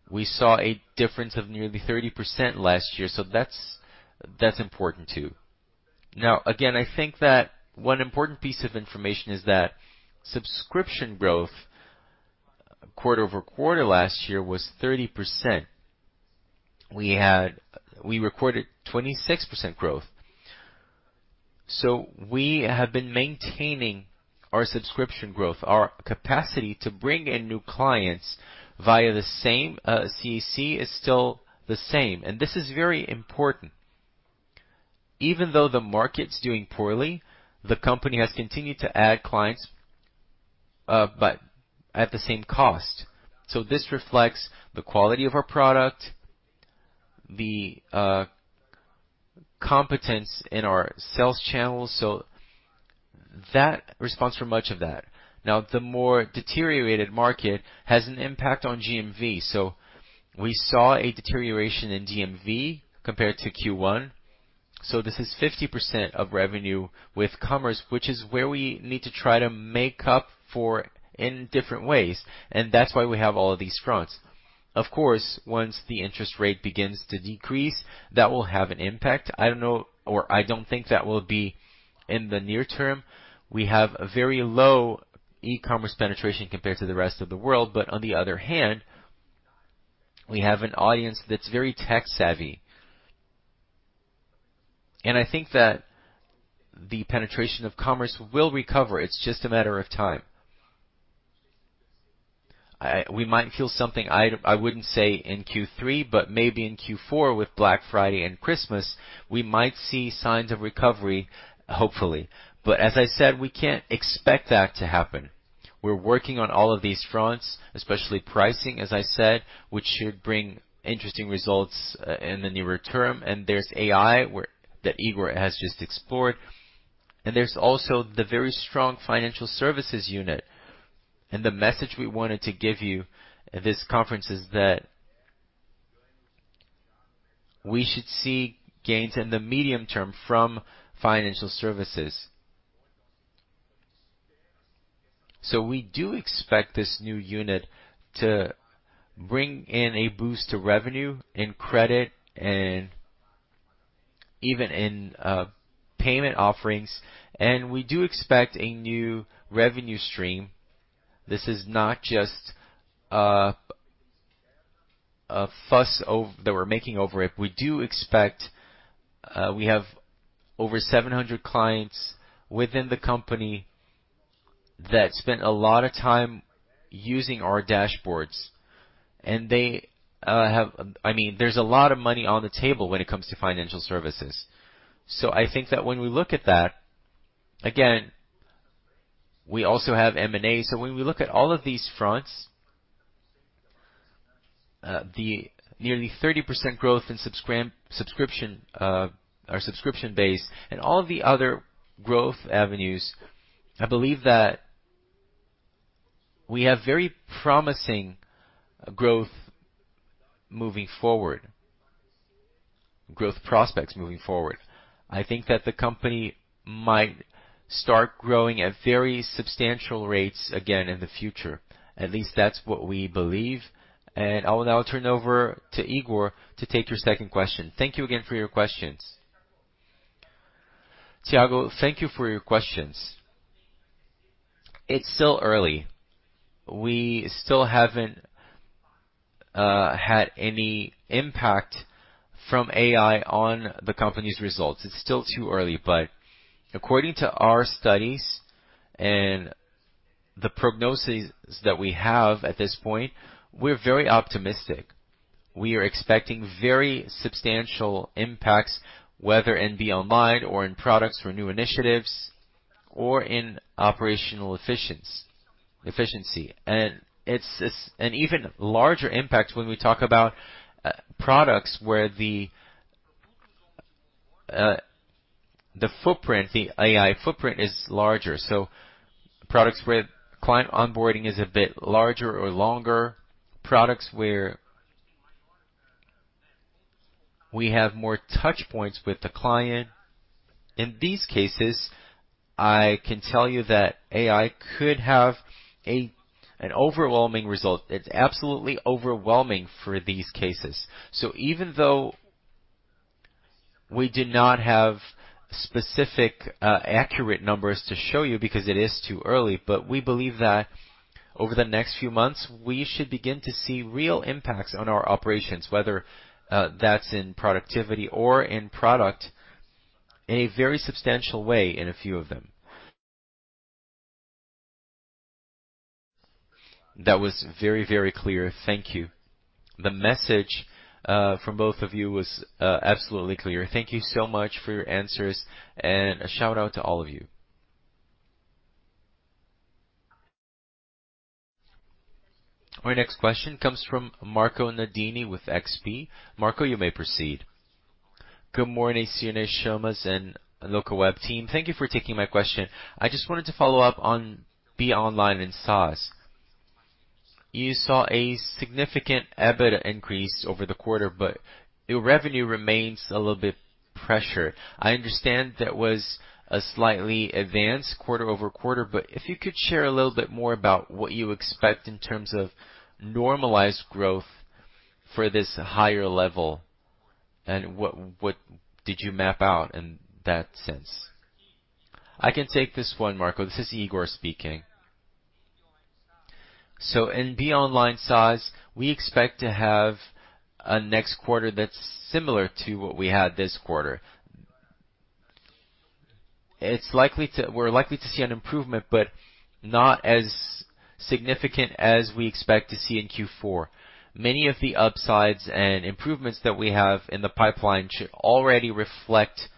[SPEAKER 2] We saw a difference of nearly 30% last year, that's, that's important, too. Again, I think that one important piece of information is that subscription growth, quarter-over-quarter last year was 30%. We recorded 26% growth. We have been maintaining our subscription growth. Our capacity to bring in new clients via the same CAC is still the same, and this is very important. Even though the market's doing poorly, the Company has continued to add clients, but at the same cost. This reflects the quality of our product, the competence in our sales channels. That responds for much of that. The more deteriorated market has an impact on GMV. We saw a deterioration in GMV compared to Q1. This is 50% of revenue with commerce, which is where we need to try to make up for in different ways, and that's why we have all of these fronts. Of course, once the interest rate begins to decrease, that will have an impact. I don't know, or I don't think that will be in the near term. We have a very low e-commerce penetration compared to the rest of the world, but on the other hand, we have an audience that's very tech savvy. I think that the penetration of commerce will recover. It's just a matter of time. We might feel something, I, I wouldn't say in Q3, but maybe in Q4 with Black Friday and Christmas, we might see signs of recovery, hopefully. As I said, we can't expect that to happen. We're working on all of these fronts, especially pricing, as I said, which should bring interesting results in the nearer term. There's AI, that Higor has just explored, and there's also the very strong Financial Services unit. The message we wanted to give you at this conference is that, we should see gains in the medium term from financial services. We do expect this new unit to bring in a boost to revenue in credit and even in payment offerings, and we do expect a new revenue stream. This is not just a, a fuss that we're making over it. We do expect... We have over 700 clients within the Company that spent a lot of time using our dashboards, and they, I mean, there's a lot of money on the table when it comes to financial services. I think that when we look at that again, we also have M&A. When we look at all of these fronts, the nearly 30% growth in subscription, our subscription base and all the other growth avenues, I believe that we have very promising growth moving forward, growth prospects moving forward. I think that the Company might start growing at very substantial rates again in the future. At least that's what we believe. I'll now turn over to Higor to take your second question. Thank you again for your questions.
[SPEAKER 4] Thiago, thank you for your questions. It's still early. We still haven't had any impact from AI on the Company's results. It's still too early, but according to our studies and the prognoses that we have at this point, we're very optimistic. We are expecting very substantial impacts, whether in BeOnline or in products for new initiatives or in operational efficiency. It's, it's an even larger impact when we talk about products where the footprint, the AI footprint is larger. Products where client onboarding is a bit larger or longer, products where we have more touch points with the client. In these cases, I can tell you that AI could have an overwhelming result. It's absolutely overwhelming for these cases. Even though we did not have specific, accurate numbers to show you, because it is too early, but we believe that over the next few months, we should begin to see real impacts on our operations, whether that's in productivity or in product, in a very substantial way in a few of them.
[SPEAKER 9] That was very, very clear. Thank you. The message from both of you was absolutely clear. Thank you so much for your answers. A shout-out to all of you.
[SPEAKER 1] Our next question comes from Marco Nardini with XP. Marco, you may proceed.
[SPEAKER 10] Good morning, Cirne, Rafael, and Locaweb team. Thank you for taking my question. I just wanted to follow up on BeOnline / SaaS. You saw a significant EBITDA increase over the quarter. Your revenue remains a little bit pressured. I understand that was a slightly advanced quarter-over-quarter. If you could share a little bit more about what you expect in terms of normalized growth for this higher level, what, what did you map out in that sense?
[SPEAKER 4] I can take this one, Marco. This is Higor speaking. In BeOnline / SaaS, we expect to have a next quarter that's similar to what we had this quarter. We're likely to see an improvement, but not as significant as we expect to see in Q4. Many of the upsides and improvements that we have in the pipeline should already reflect,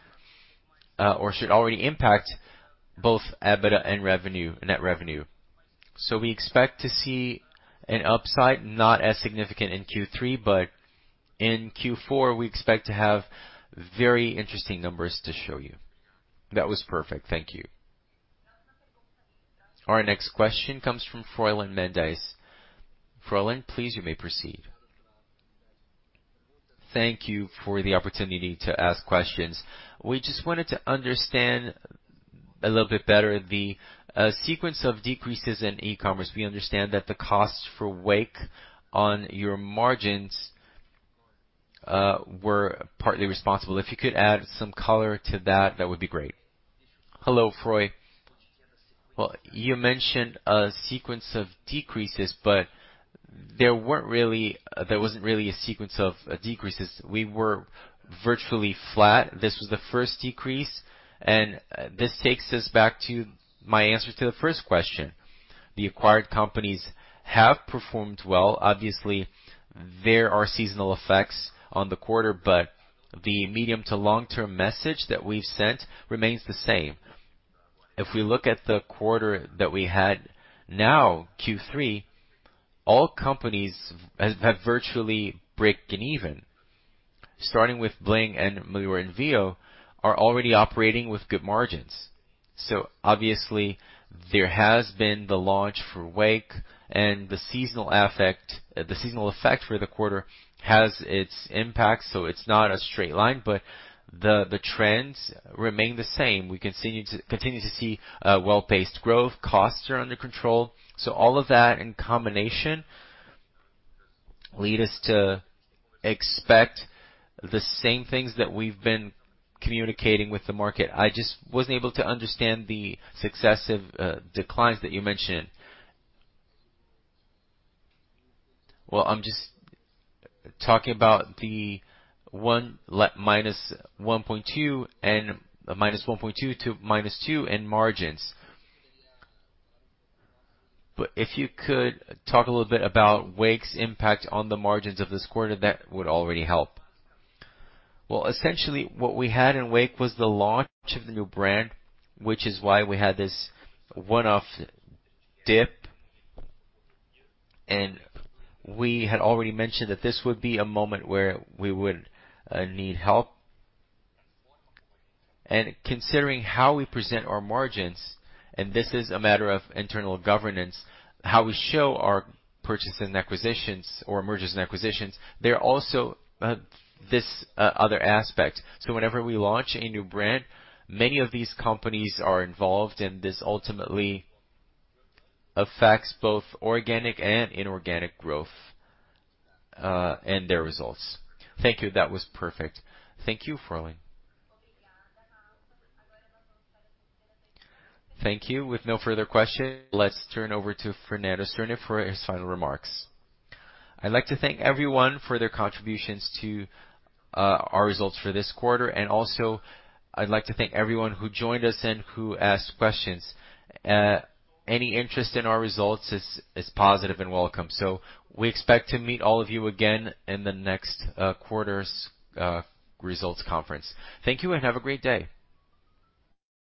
[SPEAKER 4] or should already impact both EBITDA and revenue, net revenue. We expect to see an upside, not as significant in Q3, but in Q4, we expect to have very interesting numbers to show you.
[SPEAKER 10] That was perfect. Thank you.
[SPEAKER 1] Our next question comes from Fred Mendes. Fred, please, you may proceed.
[SPEAKER 7] Thank you for the opportunity to ask questions. We just wanted to understand a little bit better the sequence of decreases in e-commerce. We understand that the costs for Wake on your margins were partly responsible. If you could add some color to that, that would be great.
[SPEAKER 3] Hello, Fred. Well, you mentioned a sequence of decreases, but there weren't really-- there wasn't really a sequence of decreases. We were virtually flat. This was the first decrease, and this takes us back to my answer to the first question. The acquired companies have performed well. Obviously, there are seasonal effects on the quarter, but the medium to long-term message that we've sent remains the same. If we look at the quarter that we had now, Q3, all companies have, have virtually break-even. Starting with Bling and Melhor Envio are already operating with good margins. So obviously, there has been the launch for Wake and the seasonal effect, the seasonal effect for the quarter has its impact, so it's not a straight line, but the, the trends remain the same. We continue to, continue to see, well-paced growth. Costs are under control. So all of that in combination lead us to expect the same things that we've been communicating with the market. I just wasn't able to understand the successive declines that you mentioned.
[SPEAKER 7] Well, I'm just talking about the one -1.2% and -1.2% to -2% in margins. But if you could talk a little bit about Wake's impact on the margins of this quarter, that would already help.
[SPEAKER 3] Well, essentially, what we had in Wake was the launch of the new brand, which is why we had this one-off dip. And we had already mentioned that this would be a moment where we would need help. Considering how we present our margins, and this is a matter of internal governance, how we show our purchases and acquisitions or mergers and acquisitions, there are also this other aspect. Whenever we launch a new brand, many of these companies are involved, and this ultimately affects both organic and inorganic growth and their results.
[SPEAKER 7] Thank you. That was perfect.
[SPEAKER 1] Thank you, Fred. Thank you. With no further questions, let's turn over to Fernando Cirne for his final remarks.
[SPEAKER 2] I'd like to thank everyone for their contributions to our results for this quarter. Also, I'd like to thank everyone who joined us and who asked questions. Any interest in our results is positive and welcome. We expect to meet all of you again in the next quarter's results conference. Thank you and have a great day.